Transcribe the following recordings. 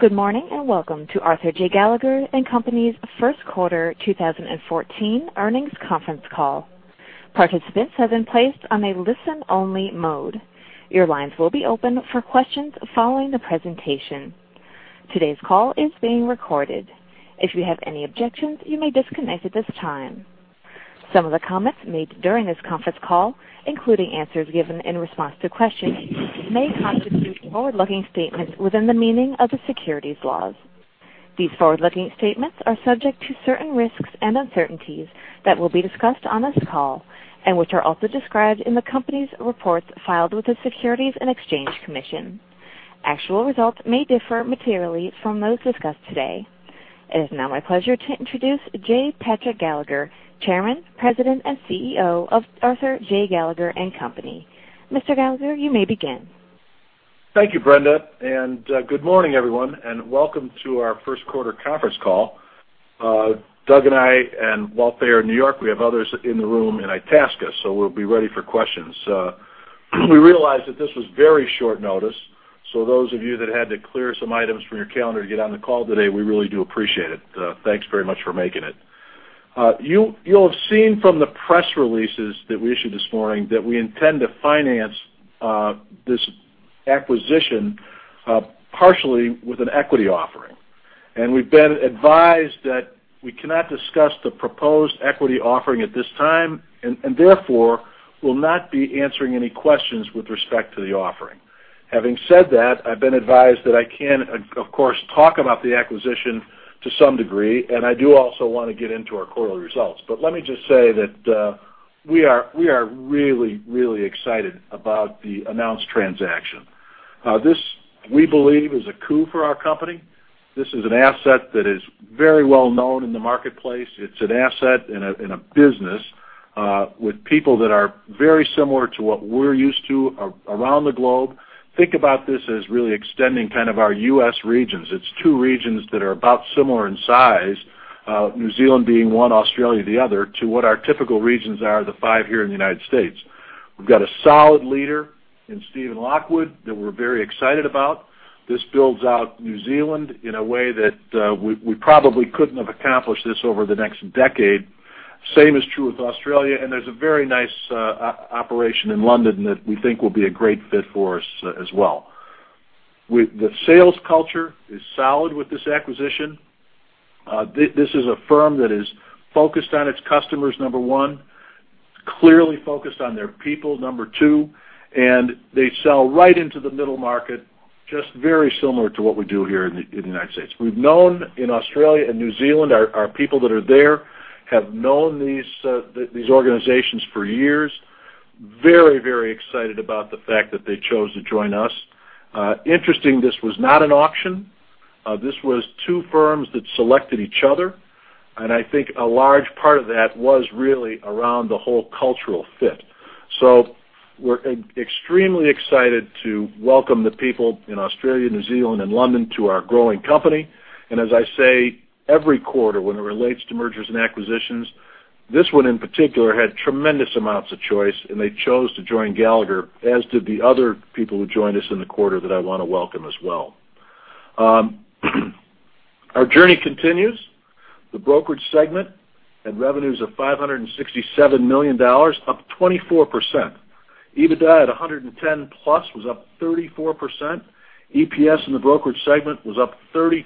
Good morning, and welcome to Arthur J. Gallagher & Company's first quarter 2014 earnings conference call. Participants have been placed on a listen-only mode. Your lines will be open for questions following the presentation. Today's call is being recorded. If you have any objections, you may disconnect at this time. Some of the comments made during this conference call, including answers given in response to questions, may constitute forward-looking statements within the meaning of the securities laws. These forward-looking statements are subject to certain risks and uncertainties that will be discussed on this call, and which are also described in the company's reports filed with the Securities and Exchange Commission. Actual results may differ materially from those discussed today. It is now my pleasure to introduce J. Patrick Gallagher, Chairman, President, and CEO of Arthur J. Gallagher & Company. Mr. Gallagher, you may begin. Thank you, Brenda, and good morning, everyone, and welcome to our first quarter conference call. Doug and I, and Walt Thayer in New York, we have others in the room in Itasca, so we'll be ready for questions. We realize that this was very short notice, so those of you that had to clear some items from your calendar to get on the call today, we really do appreciate it. Thanks very much for making it. You'll have seen from the press releases that we issued this morning that we intend to finance this acquisition partially with an equity offering. We've been advised that we cannot discuss the proposed equity offering at this time, and therefore, will not be answering any questions with respect to the offering. Having said that, I've been advised that I can, of course, talk about the acquisition to some degree, and I do also want to get into our quarterly results. Let me just say that we are really, really excited about the announced transaction. This, we believe, is a coup for our company. This is an asset that is very well known in the marketplace. It's an asset in a business with people that are very similar to what we're used to around the globe. Think about this as really extending kind of our U.S. regions. It's two regions that are about similar in size, New Zealand being one, Australia the other, to what our typical regions are, the five here in the United States. We've got a solid leader in Steven Lockwood that we're very excited about. This builds out New Zealand in a way that we probably couldn't have accomplished this over the next decade. Same is true with Australia, and there's a very nice operation in London that we think will be a great fit for us as well. The sales culture is solid with this acquisition. This is a firm that is focused on its customers, number one, clearly focused on their people, number two, and they sell right into the middle market, just very similar to what we do here in the United States. We've known in Australia and New Zealand, our people that are there have known these organizations for years. Very, very excited about the fact that they chose to join us. Interesting, this was not an auction. This was two firms that selected each other, and I think a large part of that was really around the whole cultural fit. We're extremely excited to welcome the people in Australia, New Zealand and London to our growing company. As I say every quarter when it relates to mergers and acquisitions, this one, in particular, had tremendous amounts of choice, and they chose to join Gallagher, as did the other people who joined us in the quarter that I want to welcome as well. Our journey continues. The brokerage segment had revenues of $567 million, up 24%. EBITDA at 110+ was up 34%. EPS in the brokerage segment was up 32%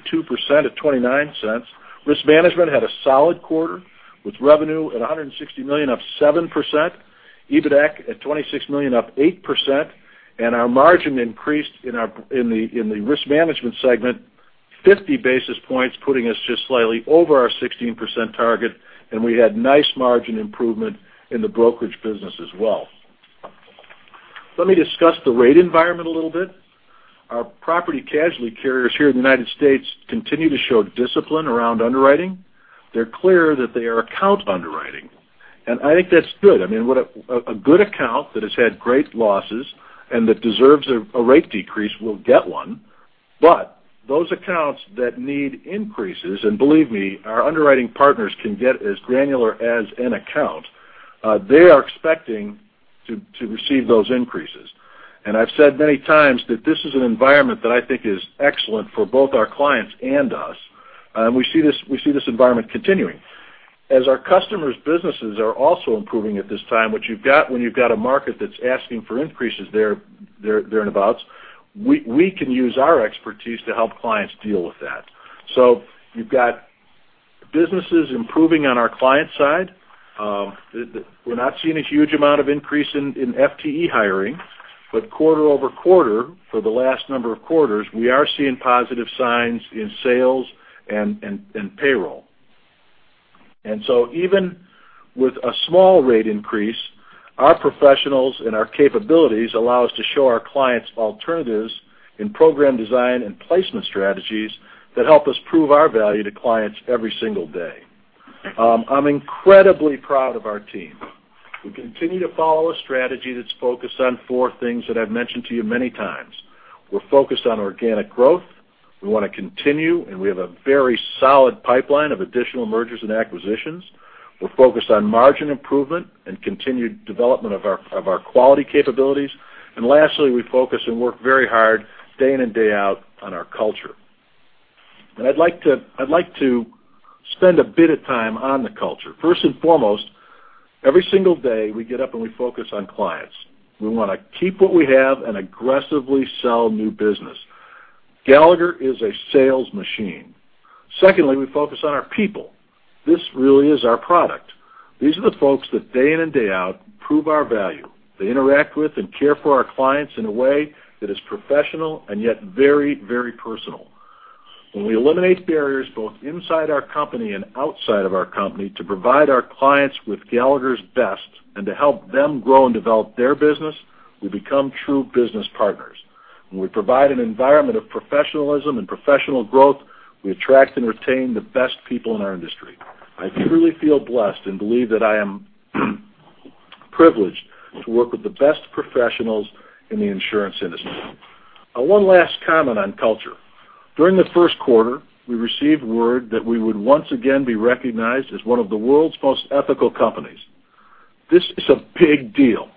at $0.29. Risk Management had a solid quarter with revenue at $160 million, up 7%. EBITDA at $26 million, up 8%. Our margin increased in the Risk Management segment 50 basis points, putting us just slightly over our 16% target, and we had nice margin improvement in the brokerage business as well. Let me discuss the rate environment a little bit. Our property casualty carriers here in the United States continue to show discipline around underwriting. They're clear that they are account underwriting, and I think that's good. I mean, a good account that has had great losses and that deserves a rate decrease will get one. Those accounts that need increases, and believe me, our underwriting partners can get as granular as an account. They are expecting to receive those increases. I've said many times that this is an environment that I think is excellent for both our clients and us. We see this environment continuing. As our customers' businesses are also improving at this time, what you've got when you've got a market that's asking for increases there and abouts, we can use our expertise to help clients deal with that. You've got businesses improving on our client side. We're not seeing a huge amount of increase in FTE hiring, but quarter-over-quarter for the last number of quarters, we are seeing positive signs in sales and payroll. Even with a small rate increase, our professionals and our capabilities allow us to show our clients alternatives in program design and placement strategies that help us prove our value to clients every single day. I'm incredibly proud of our team. We continue to follow a strategy that's focused on four things that I've mentioned to you many times. We're focused on organic growth. We want to continue, and we have a very solid pipeline of additional mergers and acquisitions. We're focused on margin improvement and continued development of our quality capabilities. Lastly, we focus and work very hard day in and day out on our culture. I'd like to spend a bit of time on the culture. First and foremost, every single day, we get up and we focus on clients. We want to keep what we have and aggressively sell new business. Gallagher is a sales machine. Secondly, we focus on our people. This really is our product. These are the folks that day in and day out prove our value. They interact with and care for our clients in a way that is professional and yet very personal. When we eliminate barriers both inside our company and outside of our company to provide our clients with Gallagher's best and to help them grow and develop their business, we become true business partners. When we provide an environment of professionalism and professional growth, we attract and retain the best people in our industry. I truly feel blessed and believe that I am privileged to work with the best professionals in the insurance industry. One last comment on culture. During the first quarter, we received word that we would once again be recognized as one of the world's most ethical companies. This is a big deal.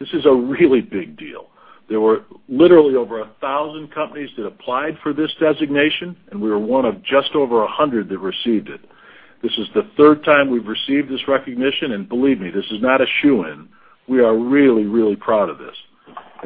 This is a really big deal. There were literally over 1,000 companies that applied for this designation, and we were one of just over 100 that received it. This is the third time we've received this recognition, and believe me, this is not a shoo-in. We are really proud of this.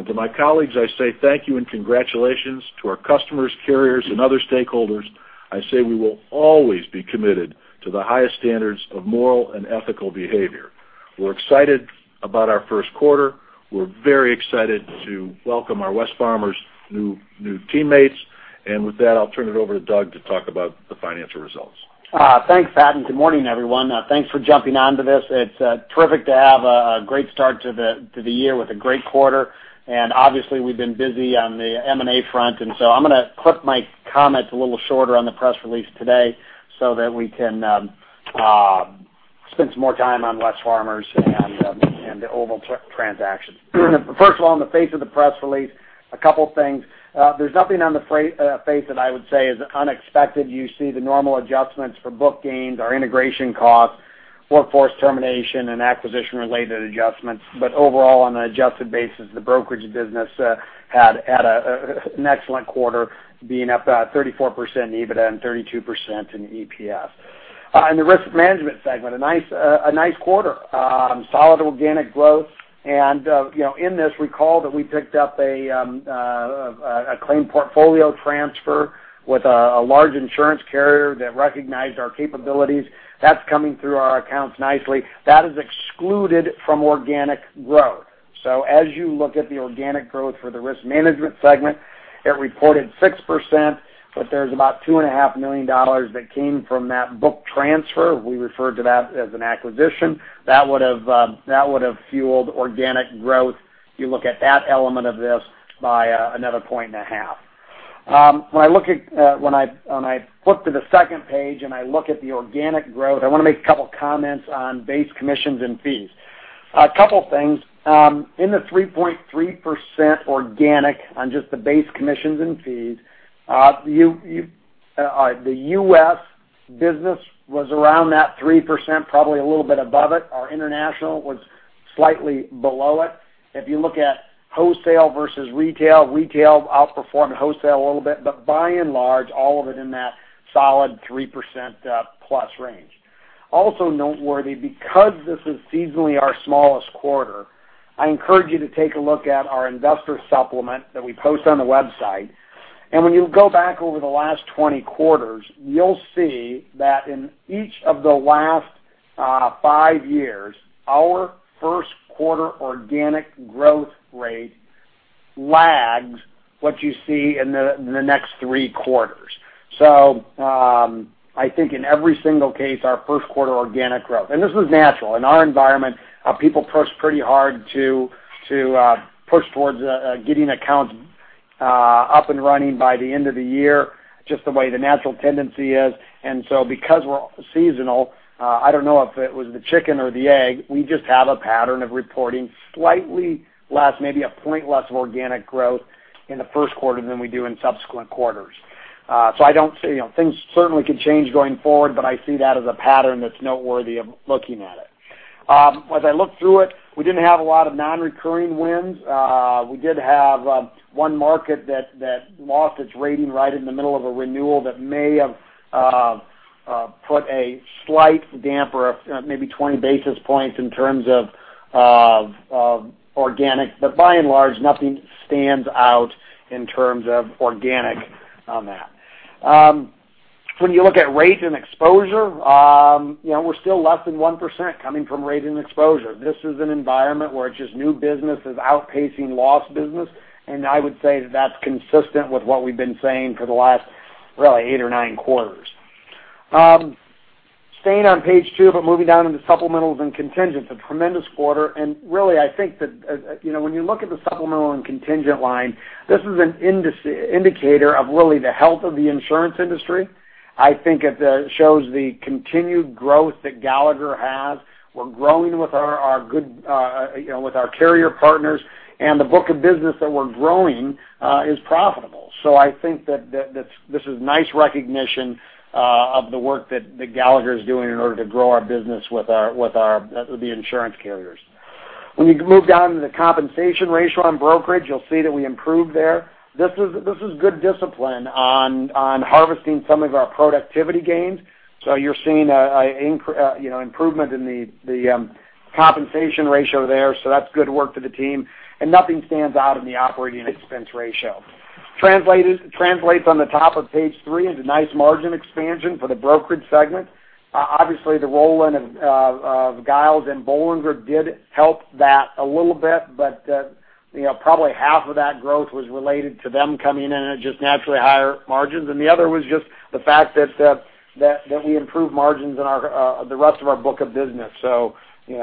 To my colleagues, I say thank you and congratulations. To our customers, carriers, and other stakeholders, I say we will always be committed to the highest standards of moral and ethical behavior. We're excited about our first quarter. We're very excited to welcome our Wesfarmers new teammates. With that, I'll turn it over to Doug to talk about the financial results. Thanks, Pat, good morning, everyone. Thanks for jumping onto this. It's terrific to have a great start to the year with a great quarter. Obviously, we've been busy on the M&A front, so I'm going to clip my comments a little shorter on the press release today so that we can spend some more time on Wesfarmers and the overall transactions. First of all, on the face of the press release, a couple things. There's nothing on the face that I would say is unexpected. You see the normal adjustments for book gains, our integration costs, workforce termination, and acquisition-related adjustments. Overall, on an adjusted basis, the brokerage business had an excellent quarter, being up 34% in EBITDA and 32% in EPS. In the risk management segment, a nice quarter. Solid organic growth. In this, recall that we picked up a claim portfolio transfer with a large insurance carrier that recognized our capabilities. That's coming through our accounts nicely. That is excluded from organic growth. As you look at the organic growth for the risk management segment, it reported 6%, but there's about $2.5 million that came from that book transfer. We refer to that as an acquisition. That would have fueled organic growth, if you look at that element of this, by another point and a half. When I flip to the second page and I look at the organic growth, I want to make a couple comments on base commissions and fees. A couple things. In the 3.3% organic on just the base commissions and fees, the U.S. business was around that 3%, probably a little bit above it. Our international was slightly below it. If you look at wholesale versus retail outperformed wholesale a little bit, but by and large, all of it in that solid 3% plus range. Also noteworthy, because this is seasonally our smallest quarter, I encourage you to take a look at our investor supplement that we post on the website. When you go back over the last 20 quarters, you'll see that in each of the last five years, our first quarter organic growth rate lags what you see in the next three quarters. I think in every single case, our first quarter organic growth. This is natural. In our environment, people push pretty hard to push towards getting accounts up and running by the end of the year, just the way the natural tendency is. Because we're seasonal, I don't know if it was the chicken or the egg, we just have a pattern of reporting slightly less, maybe a point less of organic growth in the first quarter than we do in subsequent quarters. Things certainly could change going forward, but I see that as a pattern that's noteworthy of looking at it. As I looked through it, we didn't have a lot of non-recurring wins. We did have one market that lost its rating right in the middle of a renewal that may have put a slight damper of maybe 20 basis points in terms of organic. By and large, nothing stands out in terms of organic on that. When you look at rates and exposure, we're still less than 1% coming from rates and exposure. This is an environment where it's just new business is outpacing lost business, and I would say that's consistent with what we've been saying for the last, really, eight or nine quarters. Staying on page two, moving down into supplementals and contingents, a tremendous quarter, really, I think that when you look at the supplemental and contingent line, this is an indicator of really the health of the insurance industry. I think it shows the continued growth that Gallagher has. We're growing with our carrier partners, and the book of business that we're growing is profitable. I think that this is nice recognition of the work that Gallagher is doing in order to grow our business with the insurance carriers. When you move down to the compensation ratio on brokerage, you'll see that we improved there. This is good discipline on harvesting some of our productivity gains. You're seeing an improvement in the compensation ratio there, so that's good work for the team. Nothing stands out in the operating expense ratio. Translates on the top of page three into nice margin expansion for the brokerage segment. Obviously, the roll-in of Giles and Bollinger did help that a little bit, but probably half of that growth was related to them coming in at just naturally higher margins. The other was just the fact that we improved margins in the rest of our book of business. Being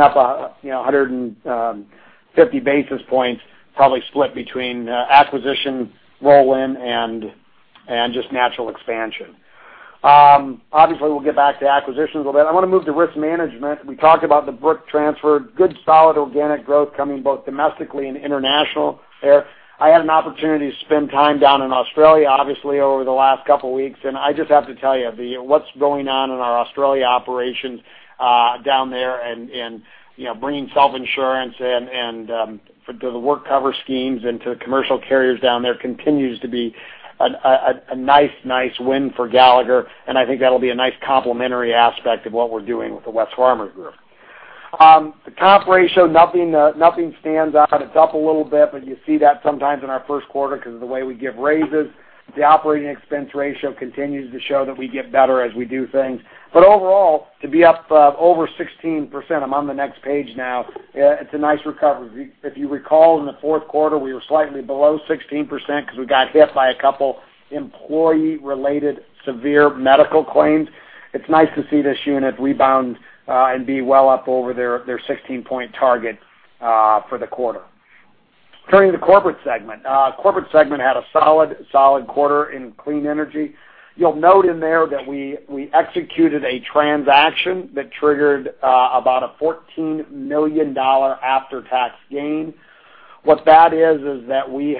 up 150 basis points probably split between acquisition roll-in and just natural expansion. Obviously, we'll get back to acquisitions a little bit. I want to move to risk management. We talked about the book transfer. Good, solid organic growth coming both domestically and international there. I had an opportunity to spend time down in Australia, obviously, over the last couple of weeks, and I just have to tell you, what's going on in our Australia operations down there and bringing self-insurance and to the WorkCover schemes and to the commercial carriers down there continues to be a nice win for Gallagher, and I think that'll be a nice complementary aspect of what we're doing with the Wesfarmers group. The comp ratio, nothing stands out. It's up a little bit, but you see that sometimes in our first quarter because of the way we give raises. The operating expense ratio continues to show that we get better as we do things. Overall, to be up over 16%, I'm on the next page now, it's a nice recovery. If you recall, in the fourth quarter, we were slightly below 16% because we got hit by a couple employee-related severe medical claims. It's nice to see this unit rebound and be well up over their 16-point target for the quarter. Turning to Corporate segment. Corporate segment had a solid quarter in clean energy. You'll note in there that we executed a transaction that triggered about a $14 million after-tax gain. What that is that we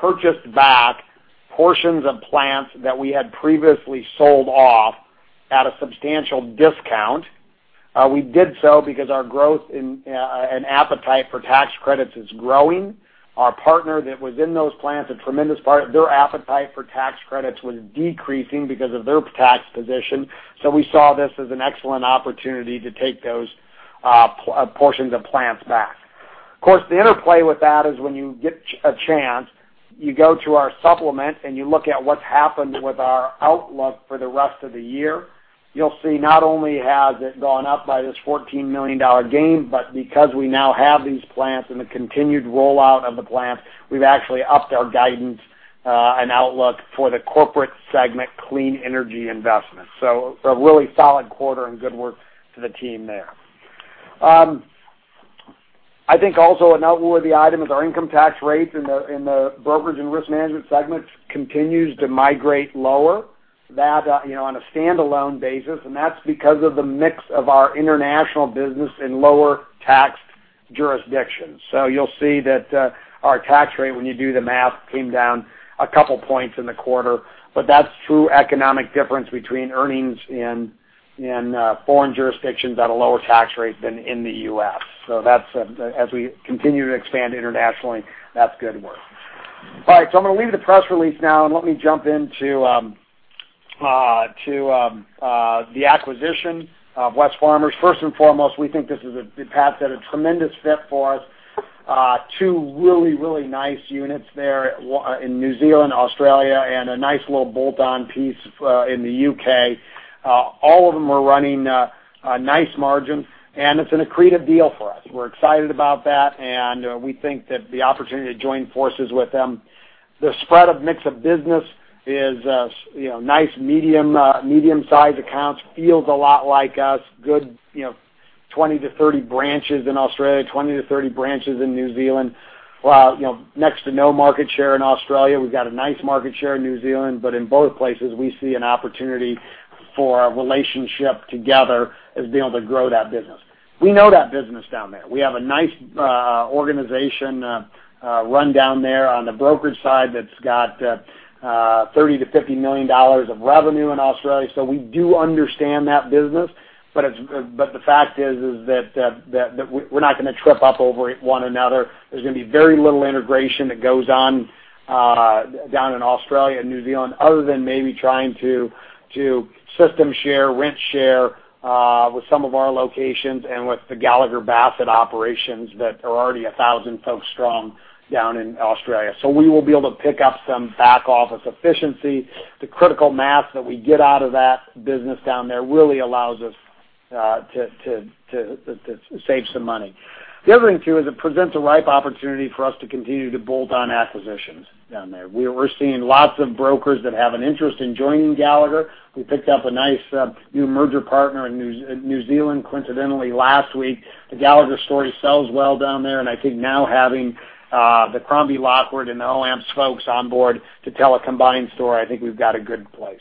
purchased back portions of plants that we had previously sold off at a substantial discount. We did so because our growth and appetite for tax credits is growing. Our partner that was in those plants, a tremendous part, their appetite for tax credits was decreasing because of their tax position. We saw this as an excellent opportunity to take those portions of plants back. Of course, the interplay with that is when you get a chance, you go to our supplement, and you look at what's happened with our outlook for the rest of the year. You'll see not only has it gone up by this $14 million gain, but because we now have these plants and the continued rollout of the plants, we've actually upped our guidance and outlook for the Corporate segment clean energy investment. A really solid quarter and good work to the team there. I think also a noteworthy item is our income tax rate in the Brokerage and Risk Management segments continues to migrate lower on a standalone basis, and that's because of the mix of our international business in lower tax jurisdictions. You'll see that our tax rate, when you do the math, came down a couple points in the quarter, but that's through economic difference between earnings in foreign jurisdictions at a lower tax rate than in the U.S. As we continue to expand internationally, that's good work. All right, I'm going to leave the press release now, and let me jump into the acquisition of Wesfarmers. First and foremost, we think this is a tremendous fit for us. Two really nice units there in New Zealand, Australia, and a nice little bolt-on piece in the U.K. All of them are running a nice margin, and it's an accretive deal for us. We're excited about that, and we think that the opportunity to join forces with them. The spread of mix of business is nice medium-sized accounts, feels a lot like us. 20 to 30 branches in Australia, 20 to 30 branches in New Zealand. Next to no market share in Australia. We have a nice market share in New Zealand, but in both places, we see an opportunity for our relationship together as being able to grow that business. We know that business down there. We have a nice organization run down there on the brokerage side that has $30 million to $50 million of revenue in Australia, so we do understand that business. The fact is that we are not going to trip up over one another. There is going to be very little integration that goes on down in Australia and New Zealand, other than maybe trying to system share, rent share with some of our locations and with the Gallagher Bassett operations that are already 1,000 folks strong down in Australia. We will be able to pick up some back office efficiency. The critical mass that we get out of that business down there really allows us to save some money. The other thing, too, is it presents a ripe opportunity for us to continue to bolt on acquisitions down there. We are seeing lots of brokers that have an interest in joining Gallagher. We picked up a nice new merger partner in New Zealand coincidentally last week. The Gallagher story sells well down there, and I think now having the Crombie Lockwood and the OAMPS folks on board to tell a combined story, I think we have got a good place.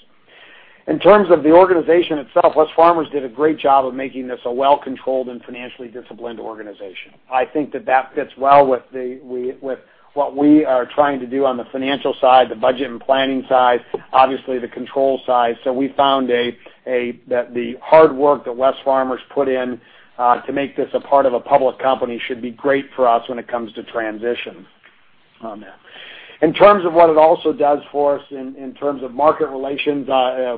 In terms of the organization itself, Wesfarmers did a great job of making this a well-controlled and financially disciplined organization. I think that that fits well with what we are trying to do on the financial side, the budget and planning side, obviously the control side. We found that the hard work that Wesfarmers put in to make this a part of a public company should be great for us when it comes to transition on that. In terms of what it also does for us in terms of market relations,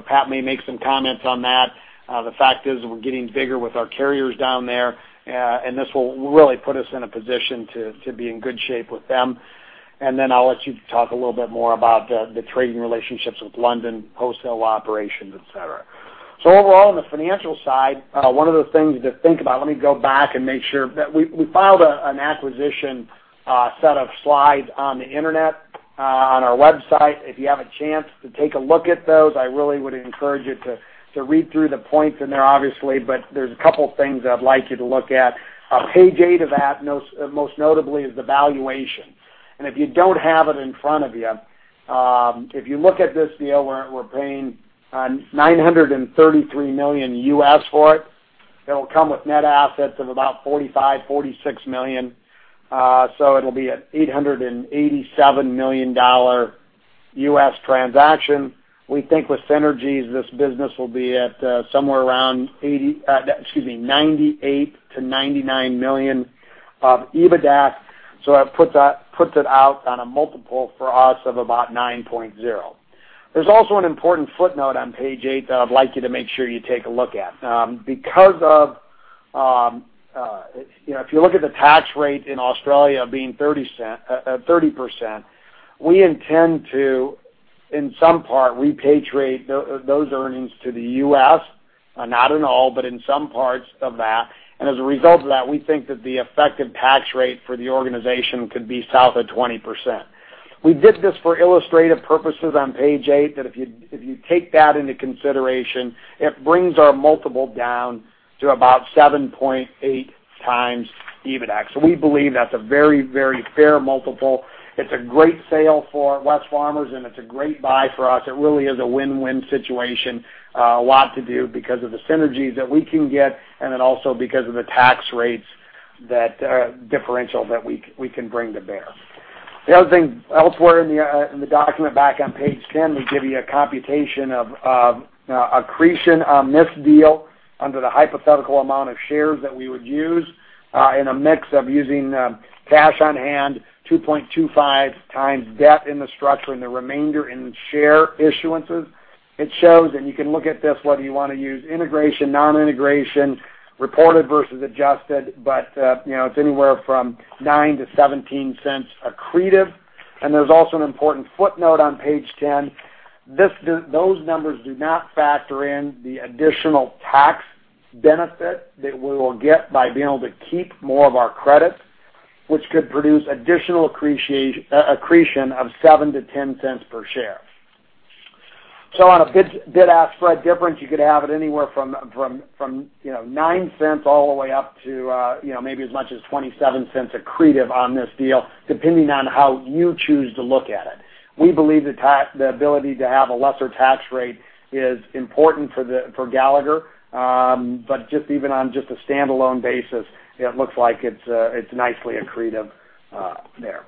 Pat may make some comments on that. The fact is, we are getting bigger with our carriers down there, and this will really put us in a position to be in good shape with them. Then I will let you talk a little bit more about the trading relationships with London wholesale operations, et cetera. Overall, on the financial side, one of the things to think about, let me go back and make sure. We filed an acquisition set of slides on the internet, on our website. If you have a chance to take a look at those, I really would encourage you to read through the points in there, obviously, but there is a couple things that I would like you to look at. Page eight of that, most notably, is the valuation. If you do not have it in front of you, if you look at this deal, we are paying $933 million U.S. for it. It will come with net assets of about $45 million, $46 million. It will be an $887 million U.S. transaction. We think with synergies, this business will be at somewhere around $98 million to $99 million of EBITDA. That puts it out on a multiple for us of about 9.0. There is also an important footnote on page eight that I would like you to make sure you take a look at. If you look at the tax rate in Australia being 30%, we intend to, in some part, repatriate those earnings to the U.S., not in all, but in some parts of that. As a result of that, we think that the effective tax rate for the organization could be south of 20%. We did this for illustrative purposes on page eight, that if you take that into consideration, it brings our multiple down to about 7.8 times EBITDA. We believe that's a very fair multiple. It's a great sale for Wesfarmers, and it's a great buy for us. It really is a win-win situation, a lot to do because of the synergies that we can get, and then also because of the tax rates differential that we can bring to bear. The other thing elsewhere in the document back on page 10, we give you a computation of accretion on this deal under the hypothetical amount of shares that we would use in a mix of using cash on hand, 2.25 times debt in the structure, and the remainder in share issuances. It shows, and you can look at this, whether you want to use integration, non-integration, reported versus adjusted, but it's anywhere from $0.09 to $0.17 accretive. There's also an important footnote on page 10. Those numbers do not factor in the additional tax benefit that we will get by being able to keep more of our credits, which could produce additional accretion of $0.07 to $0.10 per share. On a bid-ask spread difference, you could have it anywhere from $0.09 all the way up to maybe as much as $0.27 accretive on this deal, depending on how you choose to look at it. We believe the ability to have a lesser tax rate is important for Gallagher. Just even on just a standalone basis, it looks like it's nicely accretive there.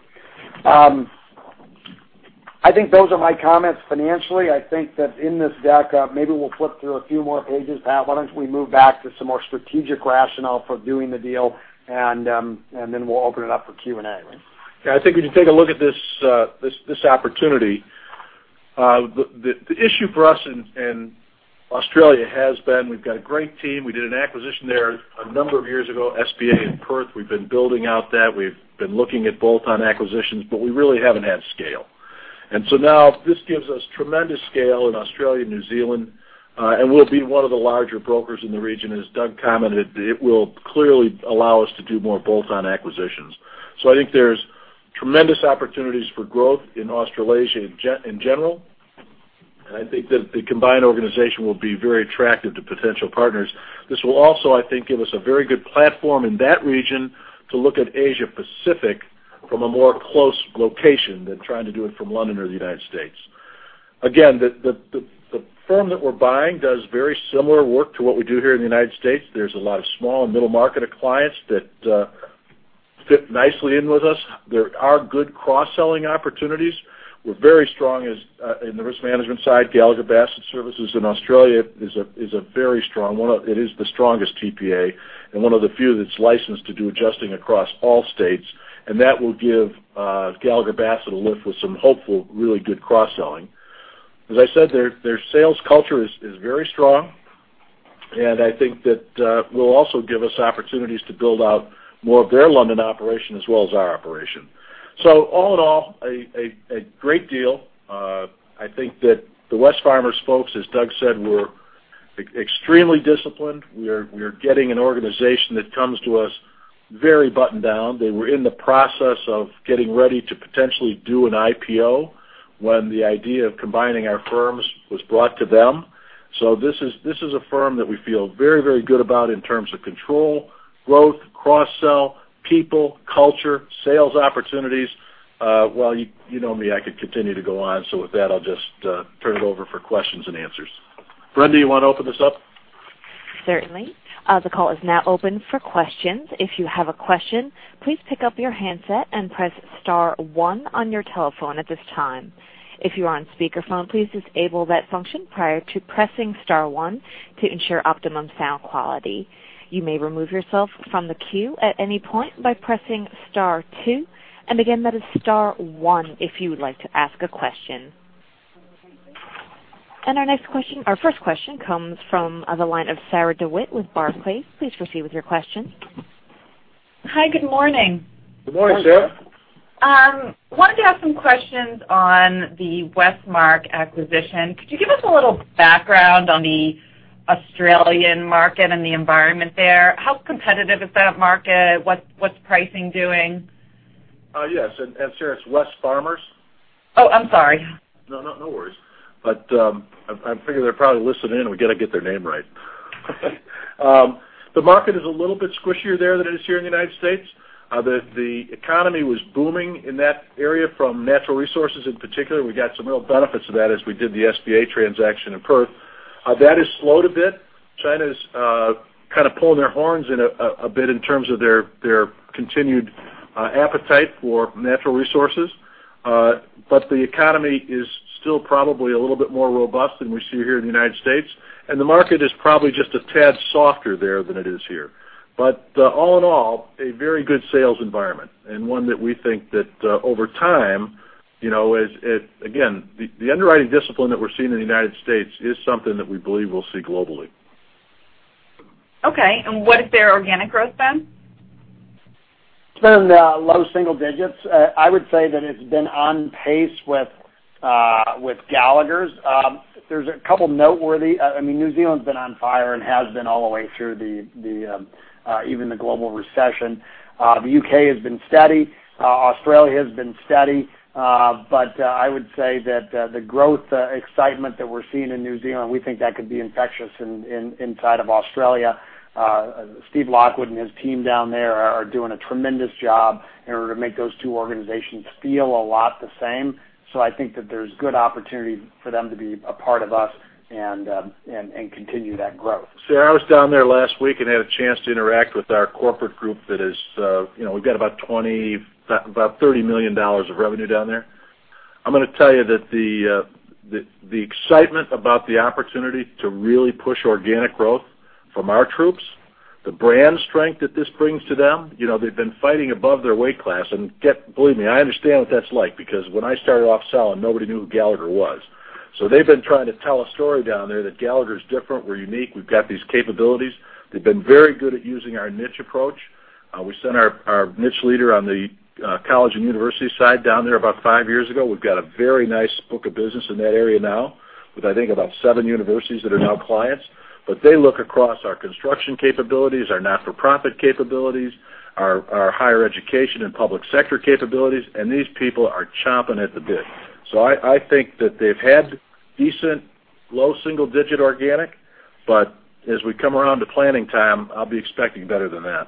I think those are my comments financially. I think that in this deck, maybe we'll flip through a few more pages. Pat, why don't we move back to some more strategic rationale for doing the deal, and then we'll open it up for Q&A, right? I think we can take a look at this opportunity. The issue for us in Australia has been we've got a great team. We did an acquisition there a number of years ago, SBA in Perth. We've been building out that. We've been looking at bolt-on acquisitions, but we really haven't had scale. Now this gives us tremendous scale in Australia, New Zealand, and we'll be one of the larger brokers in the region. As Doug commented, it will clearly allow us to do more bolt-on acquisitions. I think there's tremendous opportunities for growth in Australasia in general. I think that the combined organization will be very attractive to potential partners. This will also, I think, give us a very good platform in that region to look at Asia Pacific from a more close location than trying to do it from London or the United States. Again, the firm that we're buying does very similar work to what we do here in the United States. There's a lot of small and middle market clients that fit nicely in with us. There are good cross-selling opportunities. We're very strong in the risk management side. Gallagher Bassett Services in Australia is a very strong one. It is the strongest TPA and one of the few that's licensed to do adjusting across all states. That will give Gallagher Bassett a lift with some hopeful, really good cross-selling. As I said, their sales culture is very strong, and I think that will also give us opportunities to build out more of their London operation as well as our operation. All in all, a great deal. I think that the Wesfarmers folks, as Doug said, were extremely disciplined. We are getting an organization that comes to us very buttoned down. They were in the process of getting ready to potentially do an IPO when the idea of combining our firms was brought to them. This is a firm that we feel very good about in terms of control, growth, cross-sell, people, culture, sales opportunities. Well, you know me, I could continue to go on. With that, I'll just turn it over for questions and answers. Brenda, you want to open this up? Certainly. The call is now open for questions. If you have a question, please pick up your handset and press star one on your telephone at this time. If you are on speakerphone, please disable that function prior to pressing star one to ensure optimum sound quality. You may remove yourself from the queue at any point by pressing star two. Again, that is star one if you would like to ask a question. Our first question comes from the line of Sarah DeWitt with Barclays. Please proceed with your question. Hi, good morning. Good morning, Sarah. Wanted to ask some questions on the Wesfarmers acquisition. Could you give us a little background on the Australian market and the environment there? How competitive is that market? What's pricing doing? Yes. Sarah, it's Wesfarmers. Oh, I'm sorry. I figure they're probably listening in, we got to get their name right. The market is a little bit squishier there than it is here in the U.S. The economy was booming in that area from natural resources in particular. We got some real benefits of that as we did the SBA transaction in Perth. That has slowed a bit. China's kind of pulling their horns in a bit in terms of their continued appetite for natural resources. The economy is still probably a little bit more robust than we see here in the U.S., and the market is probably just a tad softer there than it is here. All in all, a very good sales environment, and one that we think that over time, again, the underwriting discipline that we're seeing in the U.S. is something that we believe we'll see globally. Okay, what has their organic growth been? It's been low single digits. I would say that it's been on pace with Gallagher's. There's a couple noteworthy. New Zealand's been on fire and has been all the way through even the global recession. The U.K. has been steady. Australia has been steady. I would say that the growth excitement that we're seeing in New Zealand, we think that could be infectious inside of Australia. Steve Lockwood and his team down there are doing a tremendous job in order to make those two organizations feel a lot the same. I think that there's good opportunity for them to be a part of us and continue that growth. Sarah, I was down there last week and had a chance to interact with our corporate group. We've got about $30 million of revenue down there. I'm going to tell you that the excitement about the opportunity to really push organic growth from our troops, the brand strength that this brings to them, they've been fighting above their weight class. Believe me, I understand what that's like, because when I started off selling, nobody knew who Gallagher was. They've been trying to tell a story down there that Gallagher is different. We're unique. We've got these capabilities. They've been very good at using our niche approach. We sent our niche leader on the college and university side down there about five years ago. We've got a very nice book of business in that area now, with, I think, about seven universities that are now clients. They look across our construction capabilities, our not-for-profit capabilities, our higher education and public sector capabilities, and these people are chomping at the bit. I think that they've had decent low single digit organic, but as we come around to planning time, I'll be expecting better than that.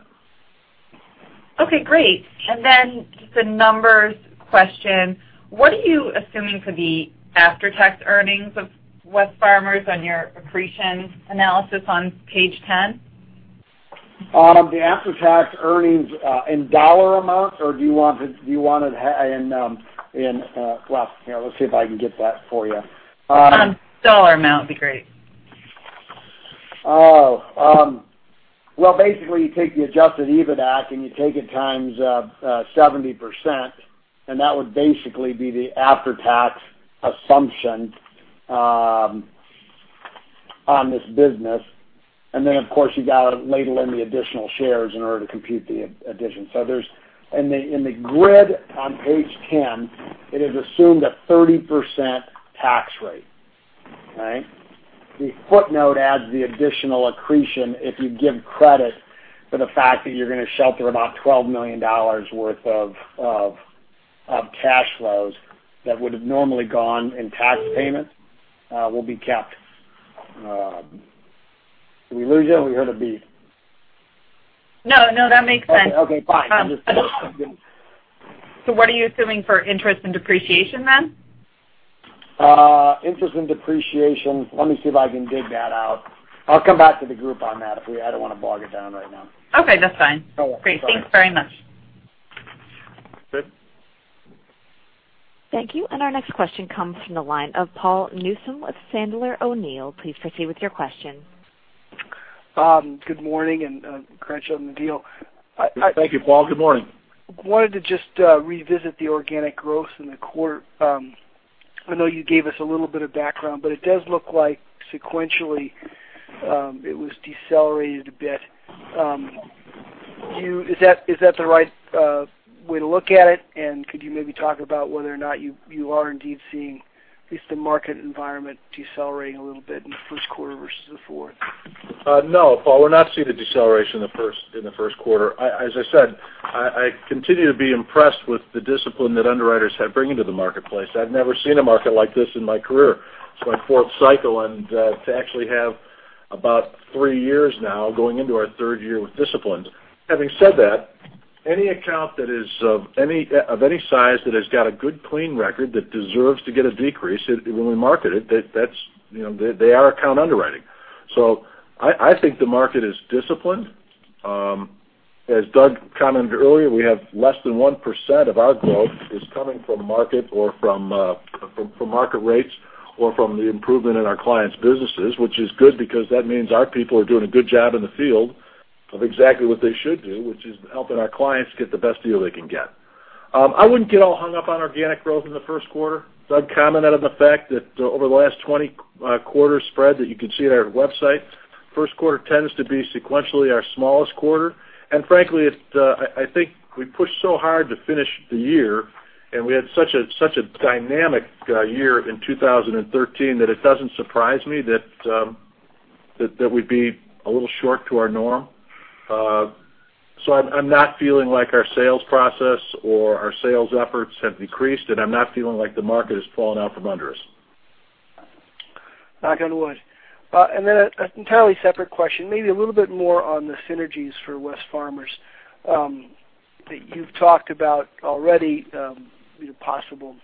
Okay, great. Just a numbers question. What are you assuming for the after-tax earnings of Wesfarmers on your accretion analysis on page 10? The after-tax earnings in dollar amounts, or do you want it? Well, let's see if I can get that for you. Dollar amount would be great. Basically, you take the adjusted EBITDAC, you take it times 70%, that would basically be the after-tax assumption on this business. Then, of course, you got to ladle in the additional shares in order to compute the addition. In the grid on page 10, it is assumed a 30% tax rate. The footnote adds the additional accretion if you give credit for the fact that you're going to shelter about $12 million worth of cash flows that would've normally gone in tax payment, will be kept. Did we lose you? We heard a beep. No, that makes sense. Okay, fine. What are you assuming for interest and depreciation then? Interest and depreciation, let me see if I can dig that out. I'll come back to the group on that. I don't want to bog it down right now. Okay, that's fine. No worries. Great. Thanks very much. Good. Thank you. Our next question comes from the line of Paul Newsome with Sandler O'Neill. Please proceed with your question. Good morning, congrats on the deal. Thank you, Paul. Good morning. Wanted to just revisit the organic growth in the quarter. I know you gave us a little bit of background, but it does look like sequentially, it was decelerated a bit. Is that the right way to look at it? Could you maybe talk about whether or not you are indeed seeing at least the market environment decelerating a little bit in the first quarter versus the fourth? No, Paul, we're not seeing the deceleration in the first quarter. As I said, I continue to be impressed with the discipline that underwriters have bringing to the marketplace. I've never seen a market like this in my career. It's my fourth cycle, and to actually have about three years now, going into our third year with disciplines. Having said that, any account of any size that has got a good clean record that deserves to get a decrease when we market it, they are account underwriting. I think the market is disciplined. As Doug commented earlier, we have less than 1% of our growth is coming from market rates or from the improvement in our clients' businesses, which is good because that means our people are doing a good job in the field of exactly what they should do, which is helping our clients get the best deal they can get. I wouldn't get all hung up on organic growth in the first quarter. Doug commented on the fact that over the last 20 quarters spread, that you can see on our website, first quarter tends to be sequentially our smallest quarter. Frankly, I think we pushed so hard to finish the year, and we had such a dynamic year in 2013, that it doesn't surprise me that we'd be a little short to our norm. I'm not feeling like our sales process or our sales efforts have decreased, and I'm not feeling like the market has fallen out from under us. Knock on wood. An entirely separate question, maybe a little bit more on the synergies for Wesfarmers that you've talked about already, possible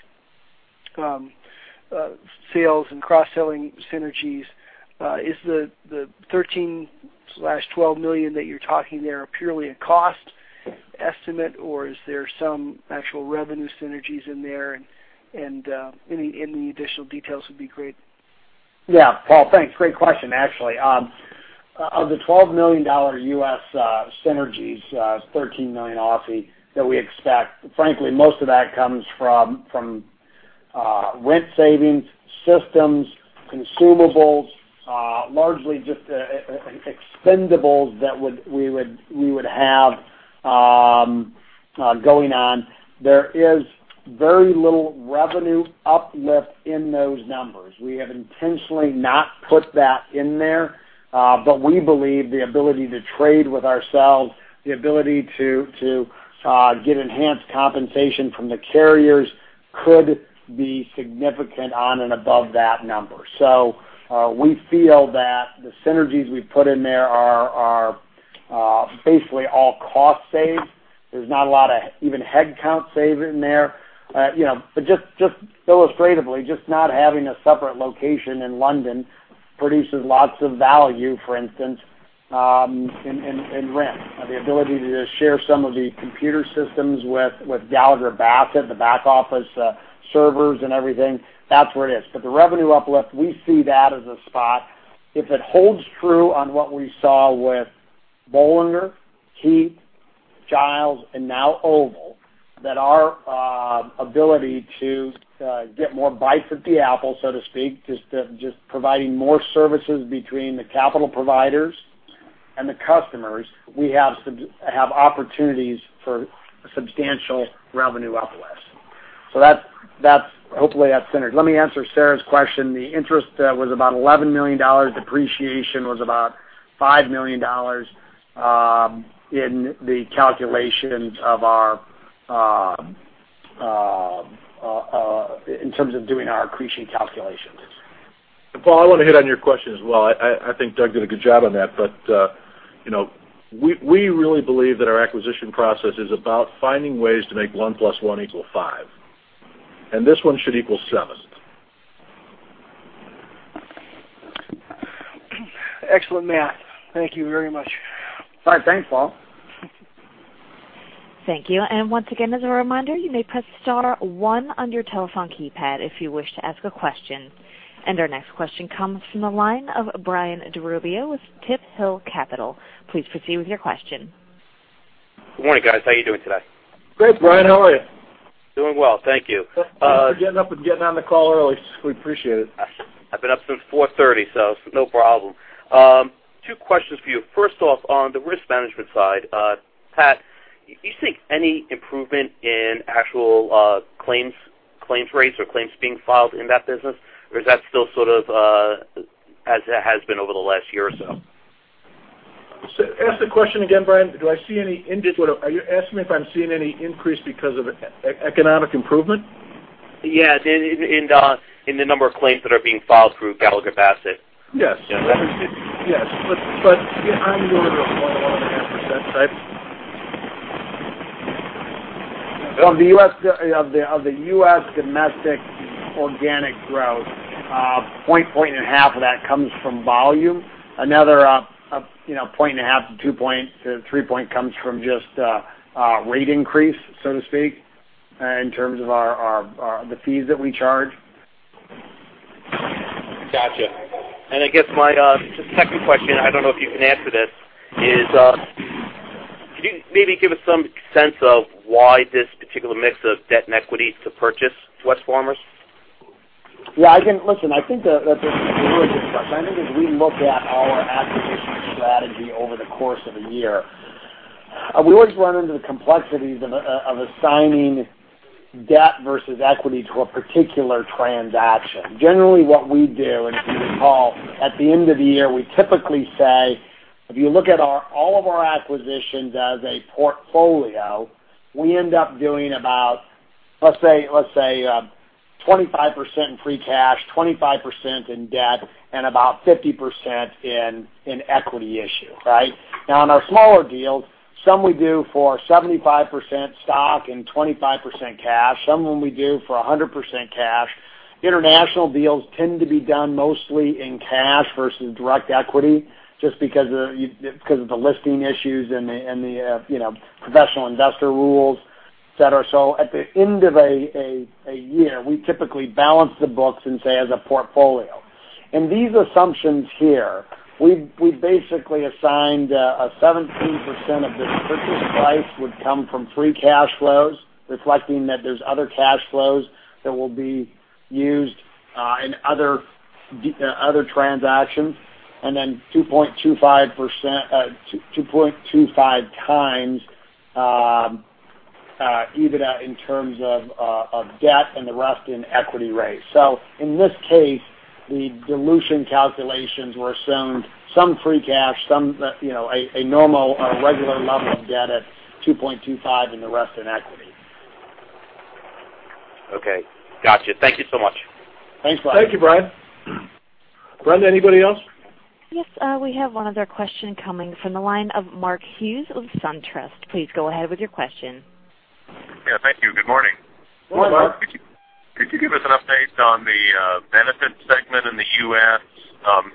sales and cross-selling synergies. Is the 13/12 million that you're talking there purely a cost estimate, or is there some actual revenue synergies in there, and any additional details would be great. Paul, thanks. Great question, actually. Of the $12 million U.S. synergies, $13 million OCI that we expect, frankly, most of that comes from rent savings, systems, consumables, largely just expendables that we would have going on. There is very little revenue uplift in those numbers. We have intentionally not put that in there. We believe the ability to trade with ourselves, the ability to get enhanced compensation from the carriers could be significant on and above that number. We feel that the synergies we've put in there are basically all cost save. There's not a lot of even headcount save in there. Just illustratively, just not having a separate location in London produces lots of value, for instance, in rent. The ability to share some of the computer systems with Gallagher Bassett, the back office, servers and everything, that's where it is. The revenue uplift, we see that as a spot. If it holds true on what we saw with Bollinger, Heath, Giles, and now Oval, that our ability to get more bites at the apple, so to speak, just providing more services between the capital providers and the customers, we have opportunities for substantial revenue uplift. Hopefully, that's centered. Let me answer Sarah's question. The interest was about $11 million. Depreciation was about $5 million in terms of doing our accretion calculations. Paul, I want to hit on your question as well. I think Doug did a good job on that, we really believe that our acquisition process is about finding ways to make one plus one equal five. This one should equal seven. Excellent, Pat. Thank you very much. All right. Thanks, Paul. Thank you. Once again, as a reminder, you may press star one on your telephone keypad if you wish to ask a question. Our next question comes from the line of Brian Derubio with Tiburon Capital. Please proceed with your question. Good morning, guys. How are you doing today? Great, Brian. How are you? Doing well. Thank you. Thanks for getting up and getting on the call early. We appreciate it. I've been up since 4:30 A.M., so no problem. Two questions for you. First off, on the risk management side, Pat, do you see any improvement in actual claims rates or claims being filed in that business, or is that still sort of as it has been over the last year or so? Ask the question again, Brian. Are you asking me if I'm seeing any increase because of economic improvement? Yes. In the number of claims that are being filed through Gallagher Bassett. Yes. I'm going to go 1.5%, right? Of the U.S. domestic organic growth, 1.5% of that comes from volume. Another 0.5 to two point to three point comes from just rate increase, so to speak, in terms of the fees that we charge. Got you. I guess my second question, I don't know if you can answer this, is, can you maybe give us some sense of why this particular mix of debt and equity to purchase Wesfarmers? Listen, I think that's a really good question. I think as we look at our acquisition strategy over the course of a year, we always run into the complexities of assigning debt versus equity to a particular transaction. Generally, what we do, and if you recall, at the end of the year, we typically say, if you look at all of our acquisitions as a portfolio, we end up doing about, let's say, 25% in free cash, 25% in debt, and about 50% in equity issue. Now, on our smaller deals, some we do for 75% stock and 25% cash. Some of them we do for 100% cash. International deals tend to be done mostly in cash versus direct equity, just because of the listing issues and the professional investor rules. At the end of a year, we typically balance the books and say, as a portfolio. These assumptions here, we basically assigned 17% of this purchase price would come from free cash flows, reflecting that there's other cash flows that will be used in other transactions, then 2.25 times EBITDA in terms of debt, and the rest in equity RE. In this case, the dilution calculations were assumed, some free cash, a normal or regular level of debt at 2.25 and the rest in equity. Okay. Got you. Thank you so much. Thanks, Brian. Thank you, Brian. Brenda, anybody else? Yes, we have one other question coming from the line of Mark Hughes with SunTrust. Please go ahead with your question. Yeah, thank you. Good morning. Good morning. Good morning. Could you give us an update on the benefits segment in the U.S.?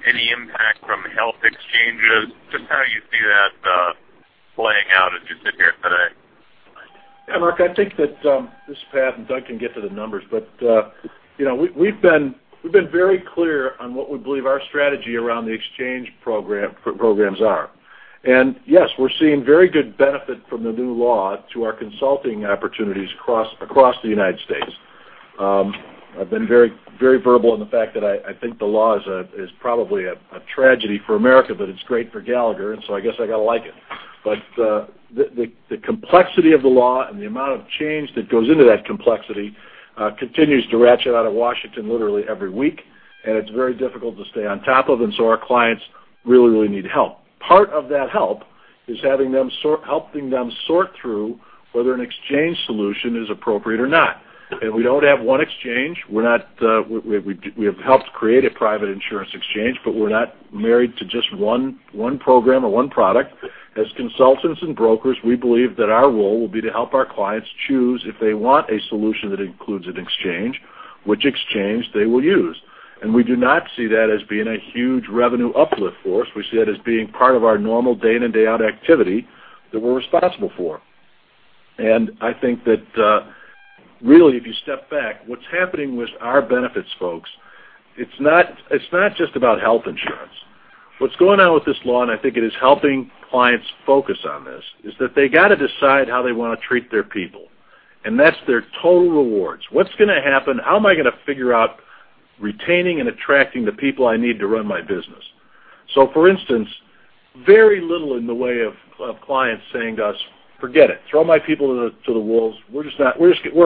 Any impact from health exchanges? Just how you see that playing out as you sit here today. Mark, this is Pat, Doug can get to the numbers, we've been very clear on what we believe our strategy around the exchange programs are. Yes, we're seeing very good benefit from the new law to our consulting opportunities across the United States. I've been very verbal in the fact that I think the law is probably a tragedy for America, it's great for Gallagher, I guess I got to like it. The complexity of the law and the amount of change that goes into that complexity continues to ratchet out of Washington literally every week, it's very difficult to stay on top of, our clients really need help. Part of that help is helping them sort through whether an exchange solution is appropriate or not. We don't have one exchange. We have helped create a private insurance exchange, we're not married to just one program or one product. As consultants and brokers, we believe that our role will be to help our clients choose if they want a solution that includes an exchange, which exchange they will use. We do not see that as being a huge revenue uplift for us. We see it as being part of our normal day in and day out activity that we're responsible for. I think that really, if you step back, what's happening with our benefits folks, it's not just about health insurance. What's going on with this law, and I think it is helping clients focus on this, is that they got to decide how they want to treat their people, and that's their total rewards. What's going to happen? How am I going to figure out retaining and attracting the people I need to run my business? For instance, very little in the way of clients saying to us, "Forget it. Throw my people to the wolves. We're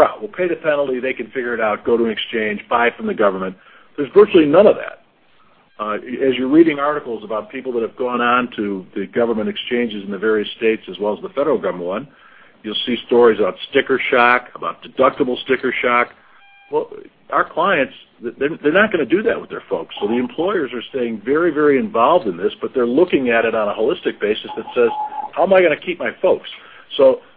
out. We'll pay the penalty. They can figure it out, go to an exchange, buy from the government." There's virtually none of that. As you're reading articles about people that have gone on to the government exchanges in the various states as well as the federal government one, you'll see stories about sticker shock, about deductible sticker shock. Our clients, they're not going to do that with their folks. The employers are staying very involved in this, but they're looking at it on a holistic basis that says, how am I going to keep my folks?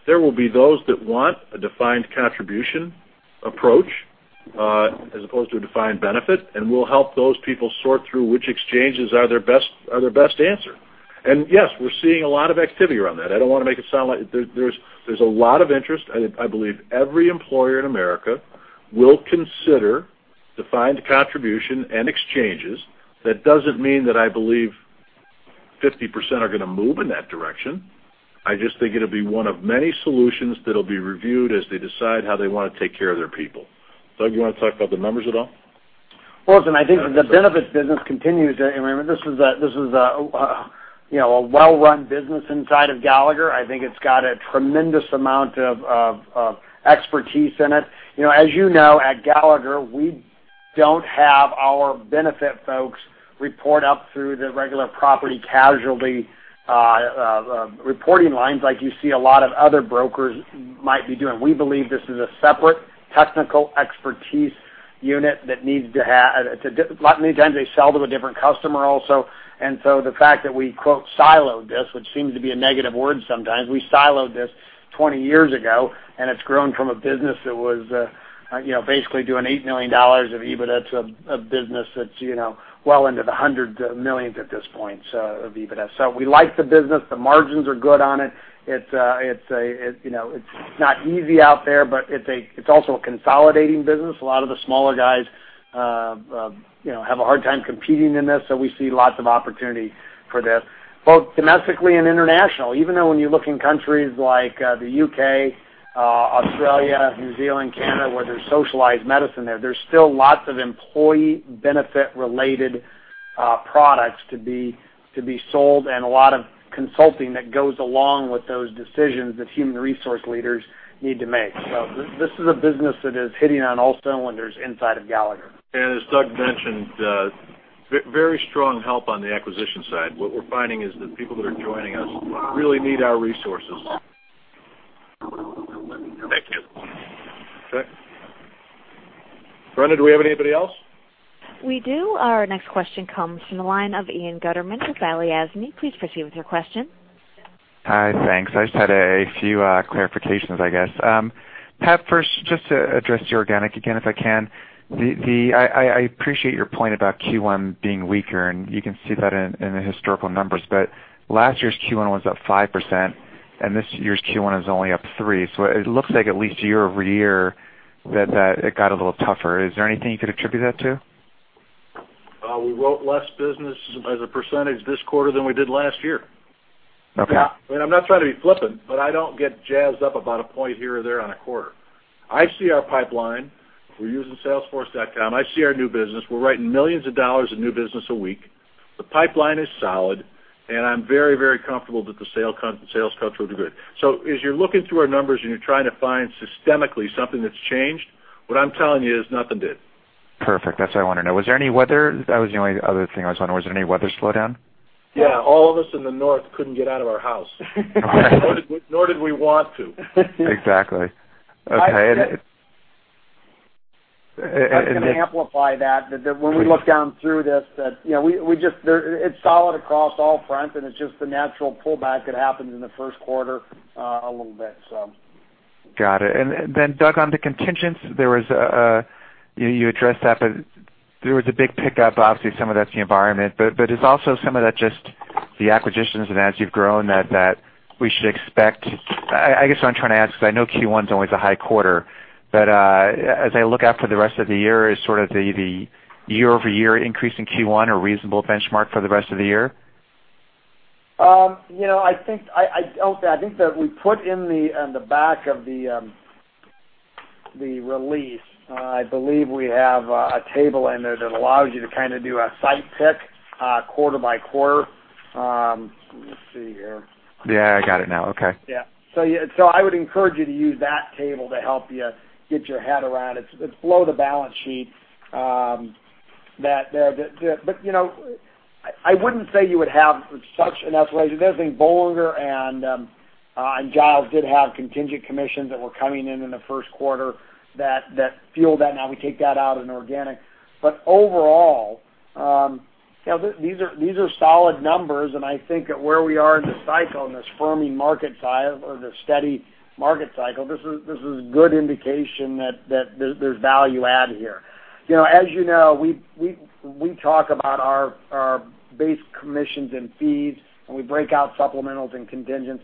There will be those that want a defined contribution approach as opposed to a defined benefit, and we'll help those people sort through which exchanges are their best answer. Yes, we're seeing a lot of activity around that. I don't want to make it sound like there's a lot of interest. I believe every employer in America will consider defined contribution and exchanges. That doesn't mean that I believe 50% are going to move in that direction. I just think it'll be one of many solutions that'll be reviewed as they decide how they want to take care of their people. Doug, do you want to talk about the numbers at all? I think the benefits business continues. This is a well-run business inside of Gallagher. I think it's got a tremendous amount of expertise in it. As you know, at Gallagher, we don't have our benefit folks report up through the regular property casualty reporting lines like you see a lot of other brokers might be doing. We believe this is a separate technical expertise unit. Many times they sell to a different customer also. The fact that we "siloed" this, which seems to be a negative word sometimes, we siloed this 20 years ago, and it's grown from a business that was basically doing $8 million of EBITDA to a business that's well into the hundreds of millions at this point of EBITDA. We like the business. The margins are good on it. It's not easy out there, it's also a consolidating business. A lot of the smaller guys have a hard time competing in this. We see lots of opportunity for this, both domestically and international. Even though when you look in countries like the U.K., Australia, New Zealand, Canada, where there's socialized medicine there's still lots of employee benefit related products to be sold and a lot of consulting that goes along with those decisions that human resource leaders need to make. This is a business that is hitting on all cylinders inside of Gallagher. As Doug mentioned, very strong help on the acquisition side. What we're finding is that people that are joining us really need our resources. Thank you. Okay. Brenda, do we have anybody else? We do. Our next question comes from the line of Ian Gutterman with Balyasny. Please proceed with your question. Hi, thanks. I just had a few clarifications, I guess. Pat, first, just to address your organic again, if I can. I appreciate your point about Q1 being weaker, and you can see that in the historical numbers. Last year's Q1 was up 5%, and this year's Q1 is only up 3%. It looks like at least year-over-year that it got a little tougher. Is there anything you could attribute that to? We wrote less business as a percentage this quarter than we did last year. Okay. I'm not trying to be flippant, but I don't get jazzed up about a point here or there on a quarter. I see our pipeline. We're using salesforce.com. I see our new business. We're writing millions of dollars in new business a week. The pipeline is solid, and I'm very comfortable that the sales culture will be good. As you're looking through our numbers and you're trying to find systemically something that's changed, what I'm telling you is nothing did. Perfect. That's what I wanted to know. Was there any weather? That was the only other thing I was wondering. Was there any weather slowdown? Yeah, all of us in the north couldn't get out of our house. Nor did we want to. Exactly. Okay. I can amplify that when we look down through this, it's solid across all fronts, and it's just the natural pullback that happens in the first quarter a little bit. Doug, on the contingents, you addressed that, but there was a big pickup. Obviously, some of that's the environment, but is also some of that just the acquisitions and as you've grown that we should expect I guess what I'm trying to ask, because I know Q1's always a high quarter, but as I look out for the rest of the year, is sort of the year-over-year increase in Q1 a reasonable benchmark for the rest of the year? I think that we put in the back of the release. I believe we have a table in there that allows you to kind of do a side-by-side quarter by quarter. Let's see here. I got it now. Okay. I would encourage you to use that table to help you get your head around it. It's below the balance sheet. I wouldn't say you would have such an escalation. There's things Bollinger and Giles did have contingent commissions that were coming in in the first quarter that fueled that. Now we take that out in organic. Overall, these are solid numbers, and I think where we are in the cycle, in this firming market cycle or the steady market cycle, this is a good indication that there's value add here. As you know, we talk about our base commissions and fees, and we break out supplementals and contingents.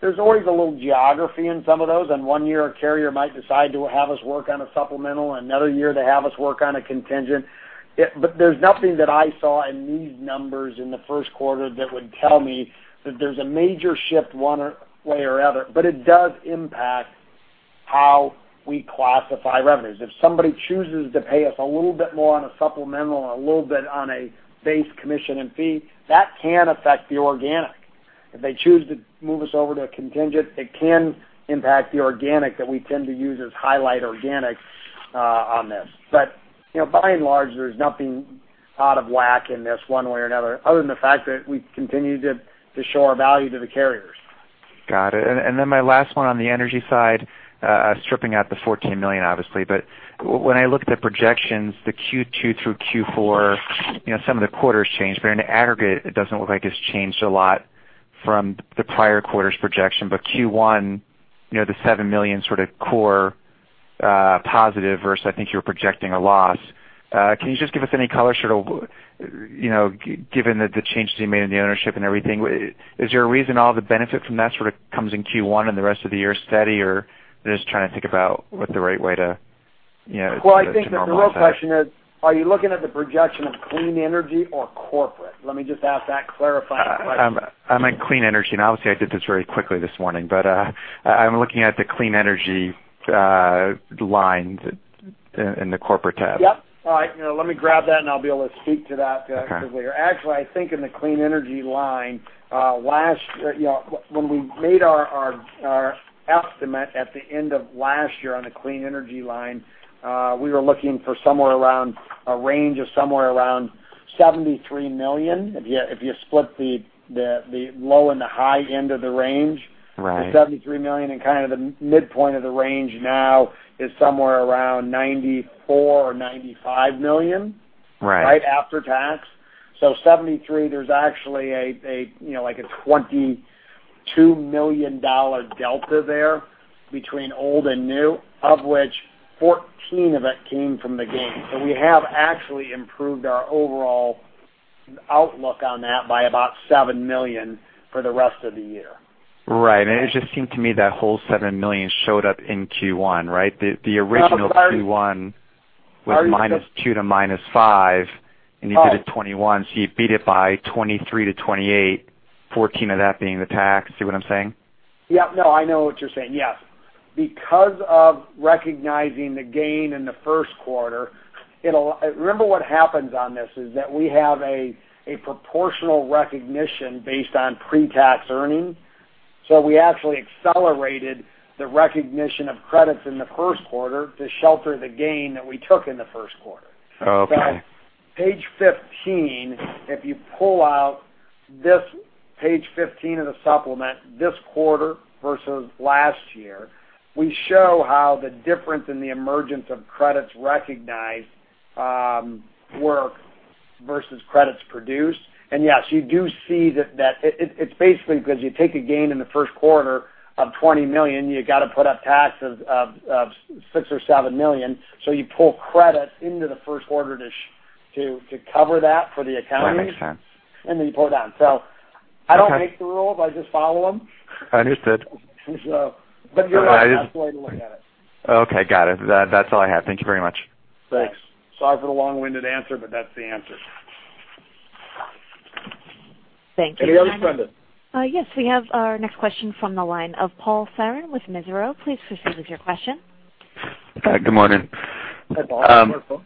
There's always a little geography in some of those, and one year, a carrier might decide to have us work on a supplemental, another year they have us work on a contingent. There's nothing that I saw in these numbers in the first quarter that would tell me that there's a major shift one way or other. It does impact how we classify revenues. If somebody chooses to pay us a little bit more on a supplemental and a little bit on a base commission and fee, that can affect the organic. If they choose to move us over to a contingent, it can impact the organic that we tend to use as highlight organic on this. By and large, there's nothing out of whack in this one way or another, other than the fact that we continue to show our value to the carriers. Got it. My last one on the energy side, stripping out the $14 million, obviously. When I look at the projections, the Q2 through Q4, some of the quarters change, but in aggregate, it doesn't look like it's changed a lot from the prior quarter's projection. Q1, the $7 million sort of core positive versus I think you were projecting a loss. Can you just give us any color given that the changes you made in the ownership and everything? Is there a reason all the benefit from that sort of comes in Q1 and the rest of the year is steady? Just trying to think about what the right way to normalize that. Well, I think that the real question is, are you looking at the projection of clean energy or corporate? Let me just ask that clarifying question. I'm in clean energy, obviously I did this very quickly this morning. I'm looking at the clean energy lines in the corporate tab. Yep. All right. Let me grab that, I'll be able to speak to that a bit later. Okay. Actually, I think in the clean energy line, when we made our estimate at the end of last year on the clean energy line, we were looking for a range of somewhere around $73 million, if you split the low and the high end of the range. Right. The $73 million and kind of the midpoint of the range now is somewhere around $94 or $95 million. Right. Right after tax. $73, there's actually a $22 million delta there between old and new, of which $14 of it came from the gain. We have actually improved our overall outlook on that by about $7 million for the rest of the year. Right. It just seemed to me that whole $7 million showed up in Q1, right? The original Q1 was -$2 to -$5, and you did a $21. You beat it by $23-$28, $14 of that being the tax. See what I'm saying? Yep. No, I know what you're saying. Yes. Because of recognizing the gain in the first quarter, remember what happens on this is that we have a proportional recognition based on pre-tax earnings. We actually accelerated the recognition of credits in the first quarter to shelter the gain that we took in the first quarter. Okay. Page 15, if you pull out page 15 of the supplement, this quarter versus last year, we show how the difference in the emergence of credits recognized work versus credits produced. Yes, you do see that it's basically because you take a gain in the first quarter of $20 million, you got to put up taxes of $6 or $7 million, you pull credit into the first quarter to cover that for the accounting. That makes sense. You pull it down. I don't make the rules, I just follow them. Understood. That's the way to look at it. Okay, got it. That's all I have. Thank you very much. Thanks. Sorry for the long-winded answer, but that's the answer. Thank you. Any others, Brenda? Yes. We have our next question from the line of Paul Cern with Mizuho. Please proceed with your question. Good morning. Hi, Paul.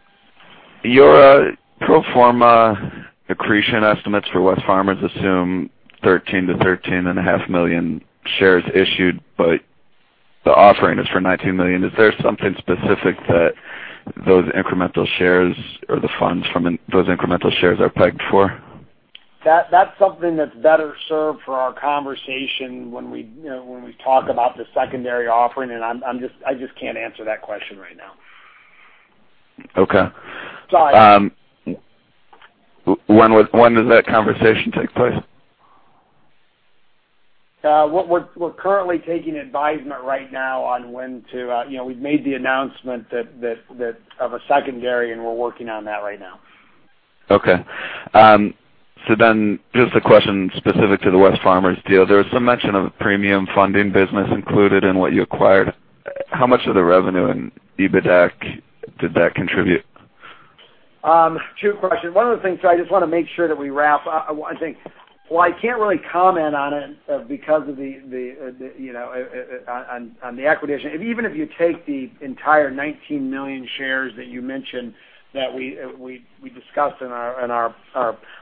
Your pro forma accretion estimates for Wesfarmers assume 13 million to 13.5 million shares issued, but the offering is for 19 million. Is there something specific that those incremental shares or the funds from those incremental shares are pegged for? That's something that's better served for our conversation when we talk about the secondary offering, I just can't answer that question right now. Okay. Sorry. When does that conversation take place? We're currently taking advisement right now. We've made the announcement of a secondary, we're working on that right now. Okay. Just a question specific to the Wesfarmers deal. There was some mention of a premium funding business included in what you acquired. How much of the revenue and EBITDAC did that contribute? Two questions. One of the things I just want to make sure that we wrap, I think, while I can't really comment on it because on the acquisition, even if you take the entire 19 million shares that you mentioned that we discussed in our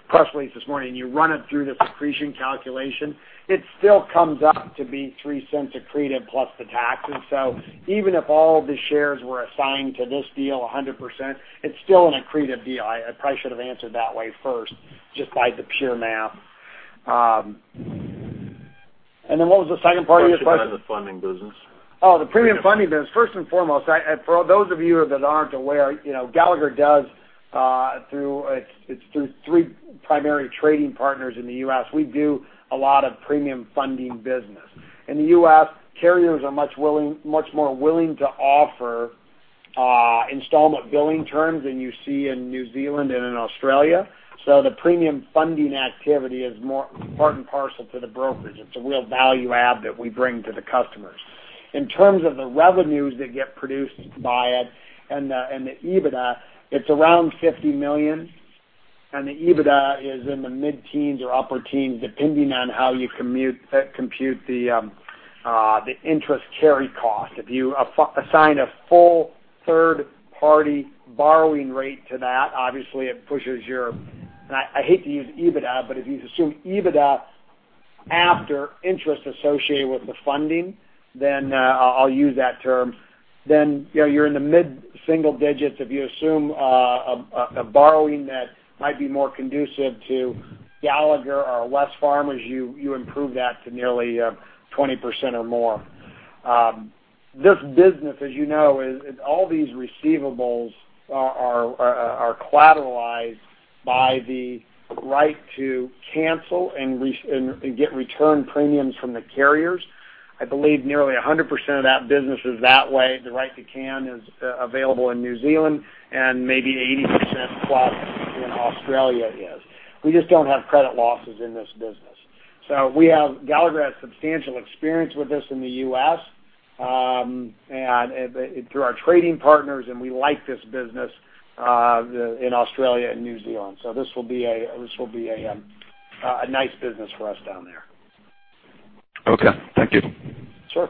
press release this morning, you run it through this accretion calculation, it still comes up to be $0.03 accreted plus the taxes. Even if all the shares were assigned to this deal 100%, it's still an accretive deal. I probably should have answered that way first, just by the pure math. What was the second part of your question? The funding business. The premium funding business. First and foremost, for those of you that aren't aware, Gallagher does through three primary trading partners in the U.S. We do a lot of premium funding business. In the U.S., carriers are much more willing to offer installment billing terms than you see in New Zealand and in Australia. The premium funding activity is more part and parcel to the brokerage. It's a real value add that we bring to the customers. In terms of the revenues that get produced by it and the EBITDA, it's around $50 million, and the EBITDA is in the mid-teens or upper teens, depending on how you compute the interest carry cost. If you assign a full third-party borrowing rate to that, obviously it pushes your, and I hate to use EBITDA, but if you assume EBITDA after interest associated with the funding, then I'll use that term. You're in the mid-single digits. If you assume a borrowing that might be more conducive to Gallagher or Wesfarmers, you improve that to nearly 20% or more. This business, as you know, all these receivables are collateralized by the right to cancel and get return premiums from the carriers. I believe nearly 100% of that business is that way. The right to can is available in New Zealand and maybe 80% plus in Australia is. We just don't have credit losses in this business. Gallagher has substantial experience with this in the U.S. through our trading partners, and we like this business in Australia and New Zealand. This will be a nice business for us down there. Okay. Thank you. Sure.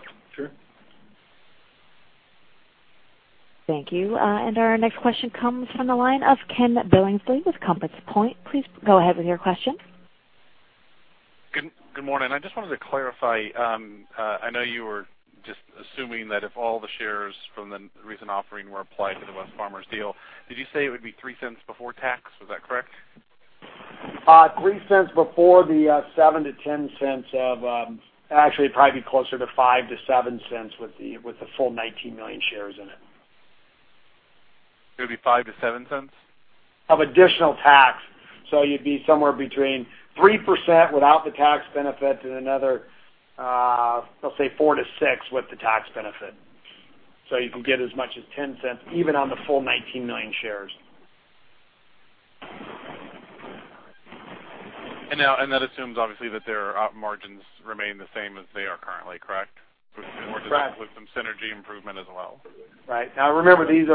Thank you. Our next question comes from the line of Ken Billingsley with Compass Point. Please go ahead with your question. Good morning. I just wanted to clarify. I know you were just assuming that if all the shares from the recent offering were applied to the Wesfarmers deal, did you say it would be $0.03 before tax? Was that correct? $0.03 before the $0.07-$0.10 of Actually, it'd probably be closer to $0.05-$0.07 with the full 19 million shares in it. It'll be $0.05-$0.07? Of additional tax. You'd be somewhere between 3% without the tax benefit and another, let's say, 4%-6% with the tax benefit. You can get as much as $0.10 even on the full 19 million shares. That assumes, obviously, that their op margins remain the same as they are currently, correct? Correct. Does it include some synergy improvement as well? Remember, these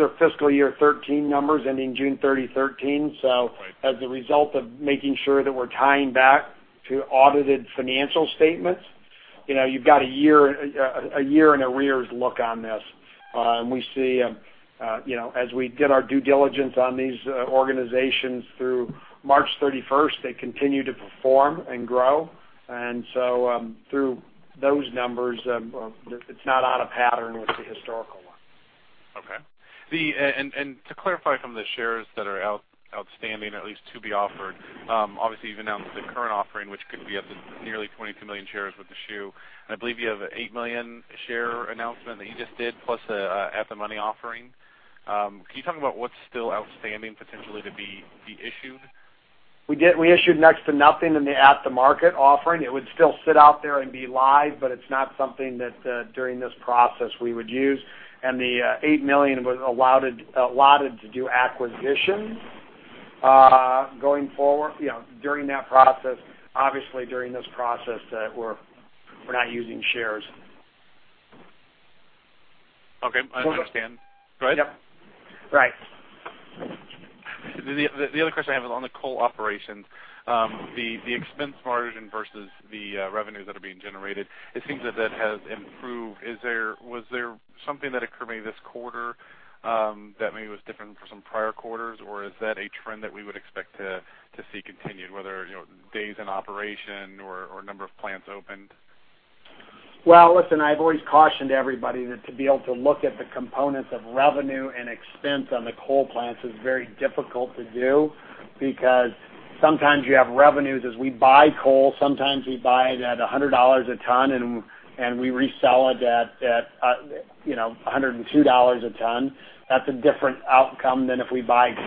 are fiscal year 2013 numbers ending June 30, 2013. Right. As a result of making sure that we're tying back to audited financial statements, you've got a year in arrears look on this. We see as we did our due diligence on these organizations through March 31st, they continue to perform and grow. Through those numbers, it's not on a pattern with the historical one. Okay. To clarify some of the shares that are outstanding, at least to be offered, obviously, you've announced the current offering, which could be up to nearly 22 million shares with the shoe. I believe you have an 8 million share announcement that you just did plus at-the-market offering. Can you talk about what's still outstanding potentially to be issued? We issued next to nothing in the at the market offering. It would still sit out there and be live, but it's not something that during this process we would use. The 8 million was allotted to do acquisitions. During that process, obviously, during this process, we're not using shares. Okay. I understand. Go ahead. Yep. Right. The other question I have is on the coal operations. The expense margin versus the revenues that are being generated, it seems that that has improved. Was there something that occurred maybe this quarter that maybe was different from some prior quarters, or is that a trend that we would expect to see continued, whether days in operation or number of plants opened? Well, listen, I've always cautioned everybody that to be able to look at the components of revenue and expense on the coal plants is very difficult to do, because sometimes you have revenues as we buy coal, sometimes we buy it at $100 a ton, and we resell it at $102 a ton. That's a different outcome than if we buy $72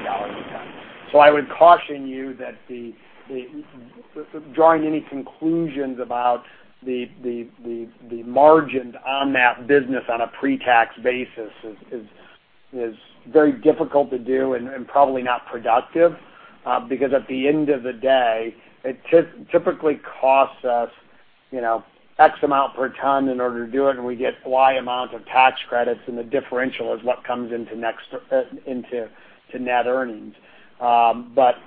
a ton. I would caution you that drawing any conclusions about the margin on that business on a pre-tax basis is very difficult to do and probably not productive. At the end of the day, it typically costs us X amount per ton in order to do it, and we get Y amount of tax credits, and the differential is what comes into net earnings.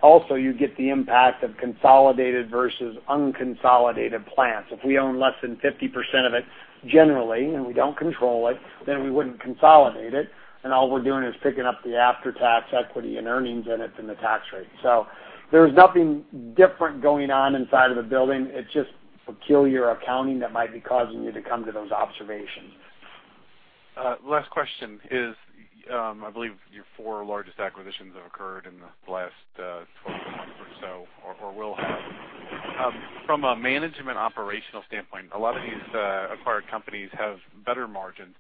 Also you get the impact of consolidated versus unconsolidated plants. If we own less than 50% of it generally, and we don't control it, then we wouldn't consolidate it, and all we're doing is picking up the after-tax equity and earnings in it and the tax rate. There's nothing different going on inside of the building. It's just peculiar accounting that might be causing you to come to those observations. Last question is, I believe your four largest acquisitions have occurred in the last 12 months or so, or will have. From a management operational standpoint, a lot of these acquired companies have better margins.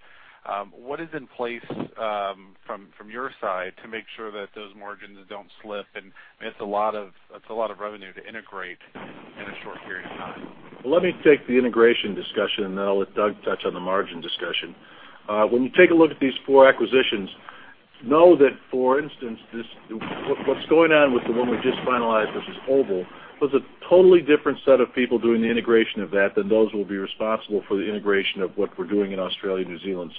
What is in place from your side to make sure that those margins don't slip? It's a lot of revenue to integrate in a short period of time. Let me take the integration discussion, then I'll let Doug touch on the margin discussion. When you take a look at these four acquisitions, know that, for instance, what's going on with the one we just finalized, which is Oval, was a totally different set of people doing the integration of that than those who will be responsible for the integration of what we're doing in Australia, New Zealand.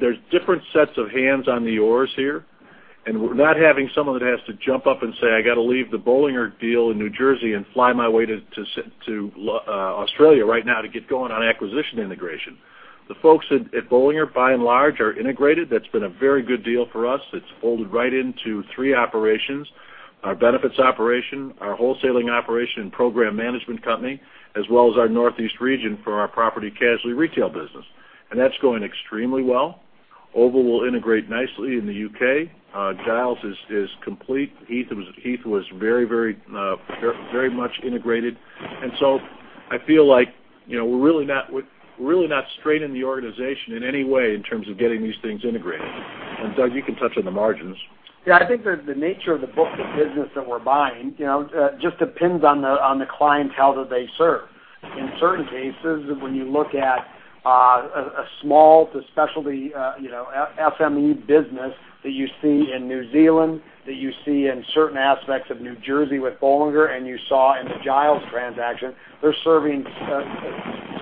There's different sets of hands on the oars here, and we're not having someone that has to jump up and say, "I got to leave the Bollinger deal in New Jersey and fly my way to Australia right now to get going on acquisition integration." The folks at Bollinger, by and large, are integrated. That's been a very good deal for us. It's folded right into three operations, our benefits operation, our wholesaling operation, and program management company, as well as our Northeast region for our property casualty retail business. That's going extremely well. Oval will integrate nicely in the U.K. Giles is complete. Heath was very much integrated. I feel like we're really not straining the organization in any way in terms of getting these things integrated. Doug, you can touch on the margins. Yeah, I think the nature of the book, the business that we're buying, just depends on the clientele that they serve. In certain cases, when you look at a small to specialty, SME business that you see in New Zealand, that you see in certain aspects of New Jersey with Bollinger, and you saw in the Giles transaction, they're serving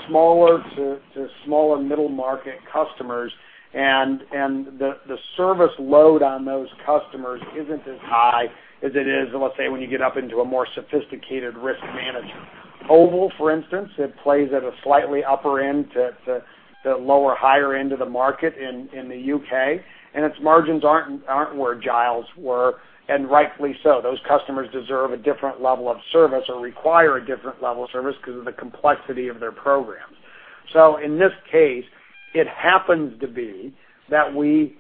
smaller to smaller middle-market customers, and the service load on those customers isn't as high as it is, let's say, when you get up into a more sophisticated risk management. Oval, for instance, it plays at a slightly upper end to lower, higher end of the market in the U.K., and its margins aren't where Giles were, and rightly so. Those customers deserve a different level of service or require a different level of service because of the complexity of their programs. In this case, it happens to be that in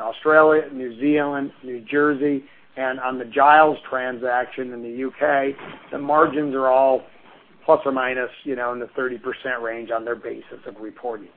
Australia, New Zealand, New Jersey, and on the Giles transaction in the U.K., the margins are all plus or minus in the 30% range on their basis of reporting.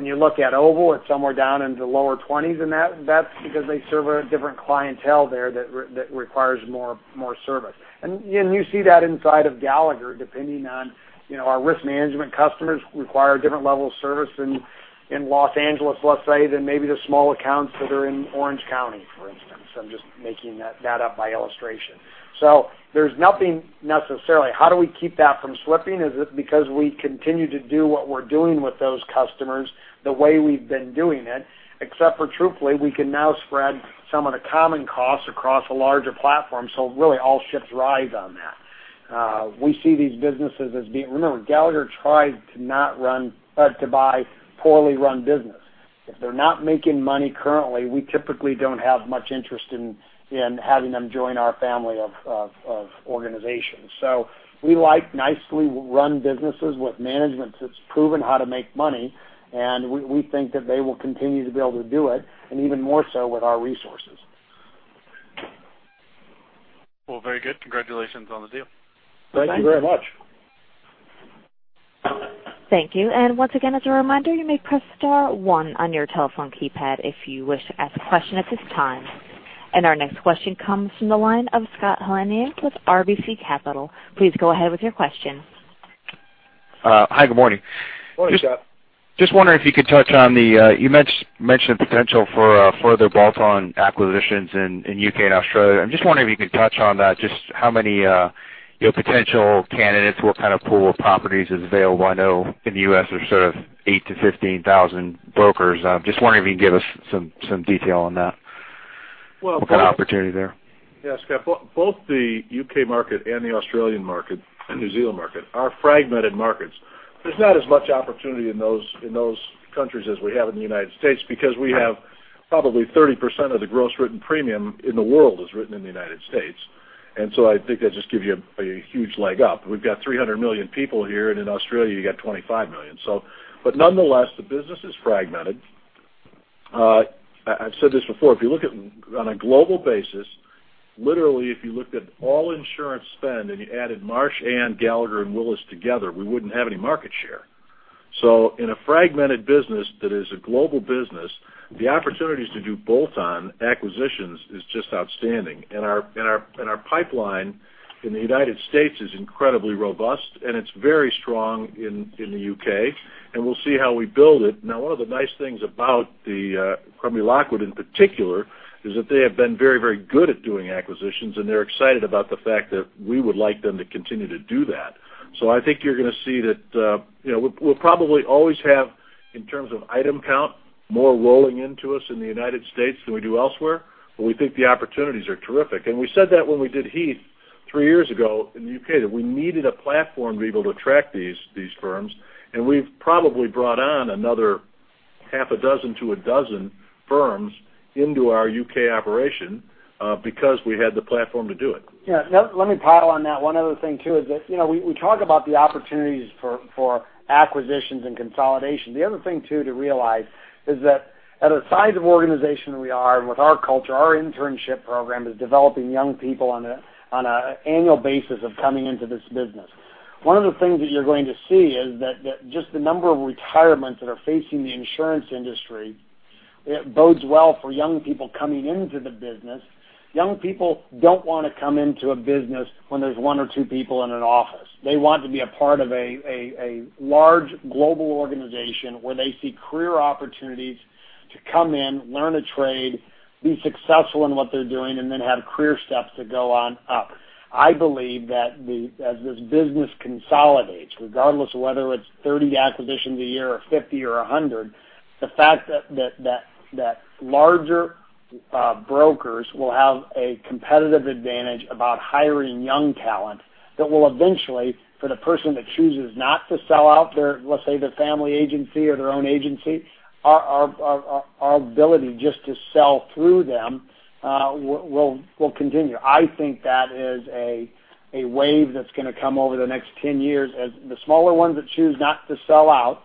When you look at Oval, it's somewhere down in the lower 20s, and that's because they serve a different clientele there that requires more service. You see that inside of Gallagher, depending on our risk management customers require a different level of service in Los Angeles, let's say, than maybe the small accounts that are in Orange County, for instance. I'm just making that up by illustration. There's nothing necessarily. How do we keep that from slipping? Is it because we continue to do what we're doing with those customers the way we've been doing it? Truthfully, we can now spread some of the common costs across a larger platform. Really all ships rise on that. We see these businesses as being. Remember, Gallagher tries to not run, but to buy poorly run business. If they're not making money currently, we typically don't have much interest in having them join our family of organizations. We like nicely run businesses with management that's proven how to make money, and we think that they will continue to be able to do it, and even more so with our resources. Well, very good. Congratulations on the deal. Thank you very much. Thanks. Thank you. Once again, as a reminder, you may press star one on your telephone keypad if you wish to ask a question at this time. Our next question comes from the line of Scott Helman with RBC Capital. Please go ahead with your question. Hi, good morning. Morning, Scott. Just wondering if you could touch on the, you mentioned potential for further bolt-on acquisitions in U.K. and Australia. I'm just wondering if you could touch on that, just how many potential candidates, what kind of pool of properties is available? I know in the U.S., there's sort of 8-15,000 brokers. Just wondering if you can give us some detail on that. Well- What kind of opportunity there? Scott, both the U.K. market and the Australian market, and New Zealand market are fragmented markets. There is not as much opportunity in those countries as we have in the U.S. because we have probably 30% of the gross written premium in the world is written in the U.S. I think that just gives you a huge leg up. We have 300 million people here, and in Australia you got 25 million. Nonetheless, the business is fragmented. I have said this before, if you look at on a global basis, literally, if you looked at all insurance spend and you added Marsh and Gallagher and Willis together, we would not have any market share. In a fragmented business that is a global business, the opportunities to do bolt-on acquisitions is just outstanding. Our pipeline in the U.S. is incredibly robust, and it is very strong in the U.K., and we will see how we build it. One of the nice things about the Crombie Lockwood in particular is that they have been very, very good at doing acquisitions, and they are excited about the fact that we would like them to continue to do that. I think you are going to see that we will probably always have, in terms of item count, more rolling into us in the U.S. than we do elsewhere, but we think the opportunities are terrific. We said that when we did Heath three years ago in the U.K., that we needed a platform to be able to attract these firms. We have probably brought on another half a dozen to a dozen firms into our U.K. operation, because we had the platform to do it. Let me pile on that. One other thing is that, we talk about the opportunities for acquisitions and consolidation. The other thing to realize is that at the size of organization that we are and with our culture, our internship program is developing young people on an annual basis of coming into this business. One of the things that you are going to see is that just the number of retirements that are facing the insurance industry, it bodes well for young people coming into the business. Young people do not want to come into a business when there is one or two people in an office. They want to be a part of a large global organization where they see career opportunities to come in, learn a trade, be successful in what they are doing, and then have career steps to go on up. I believe that as this business consolidates, regardless of whether it is 30 acquisitions a year or 50 or 100, the fact that larger brokers will have a competitive advantage about hiring young talent that will eventually, for the person that chooses not to sell out their, let us say, their family agency or their own agency, our ability just to sell through them, will continue. I think that is a wave that is going to come over the next 10 years. The smaller ones that choose not to sell out,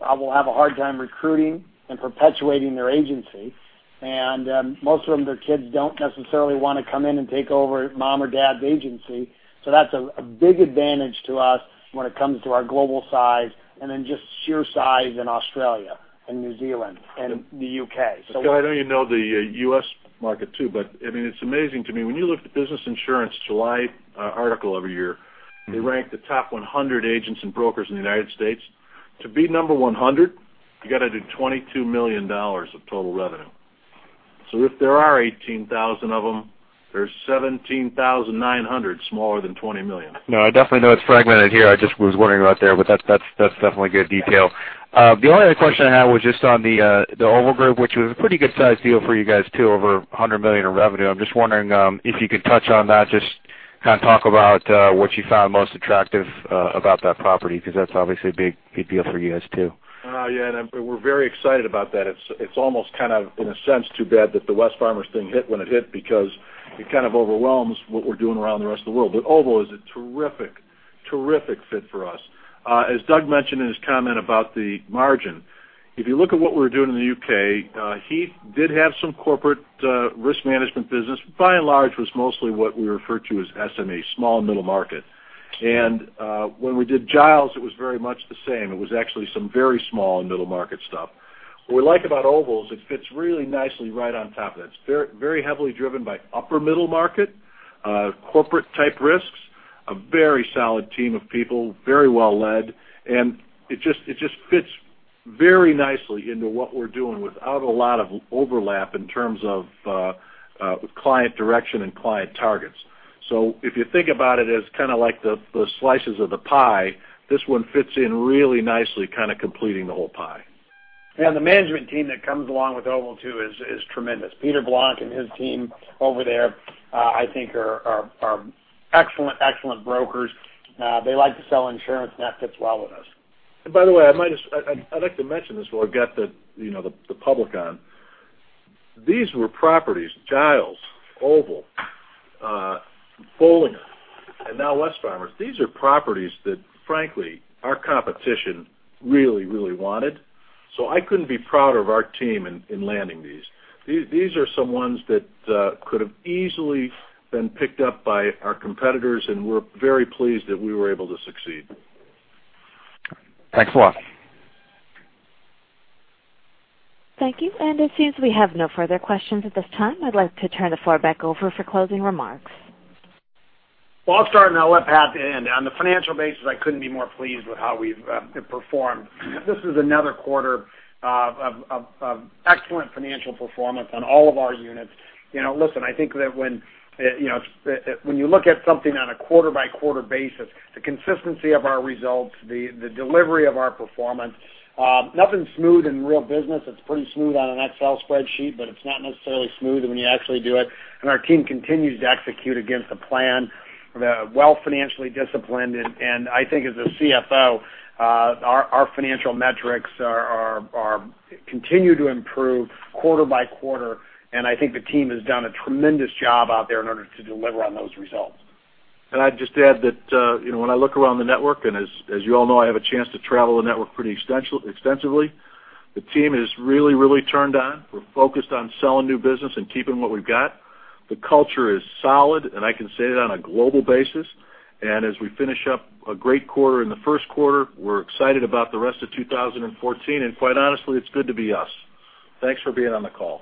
will have a hard time recruiting and perpetuating their agency. Most of them, their kids do not necessarily want to come in and take over mom or dad's agency. That is a big advantage to us when it comes to our global size and then just sheer size in Australia and New Zealand and the U.K. Scott, I know you know the U.S. market too, it's amazing to me. When you look at Business Insurance July article every year, they rank the top 100 agents and brokers in the United States. To be number 100, you got to do $22 million of total revenue. If there are 18,000 of them, there's 17,900 smaller than $20 million. I definitely know it's fragmented here. I just was wondering about there, that's definitely good detail. The only other question I had was just on the Oval Group, which was a pretty good size deal for you guys, too, over $100 million in revenue. I'm just wondering if you could touch on that, just talk about what you found most attractive about that property, because that's obviously a big deal for you guys, too. We're very excited about that. It's almost kind of, in a sense, too bad that the Wesfarmers thing hit when it hit because it kind of overwhelms what we're doing around the rest of the world. Oval is a terrific fit for us. As Doug mentioned in his comment about the margin, if you look at what we're doing in the U.K., Heath did have some corporate risk management business. By and large, was mostly what we refer to as SME, small and middle market. When we did Giles, it was very much the same. It was actually some very small and middle market stuff. What we like about Oval is it fits really nicely right on top of that. It's very heavily driven by upper middle market, corporate type risks, a very solid team of people, very well led, it just fits very nicely into what we're doing without a lot of overlap in terms of client direction and client targets. If you think about it as kind of like the slices of the pie, this one fits in really nicely, kind of completing the whole pie. The management team that comes along with Oval too is tremendous. Peter Blanc and his team over there, I think are excellent brokers. They like to sell insurance, and that fits well with us. By the way, I'd like to mention this while I've got the public on. These were properties, Giles, Oval, Bollinger, and now Wesfarmers. These are properties that, frankly, our competition really wanted. I couldn't be prouder of our team in landing these. These are some ones that could've easily been picked up by our competitors, and we're very pleased that we were able to succeed. Thanks a lot. Thank you. It seems we have no further questions at this time. I'd like to turn the floor back over for closing remarks. Well, I'll start and I'll let Pat end. On the financial basis, I couldn't be more pleased with how we've performed. This is another quarter of excellent financial performance on all of our units. Listen, I think that when you look at something on a quarter-by-quarter basis, the consistency of our results, the delivery of our performance. Nothing's smooth in real business. It's pretty smooth on an Excel spreadsheet, but it's not necessarily smooth when you actually do it, and our team continues to execute against the plan. We're well financially disciplined. I think as a CFO, our financial metrics continue to improve quarter by quarter. I think the team has done a tremendous job out there in order to deliver on those results. I'd just add that when I look around the network, as you all know, I have a chance to travel the network pretty extensively. The team is really turned on. We're focused on selling new business and keeping what we've got. The culture is solid. I can say that on a global basis. As we finish up a great quarter in the first quarter, we're excited about the rest of 2014. Quite honestly, it's good to be us. Thanks for being on the call.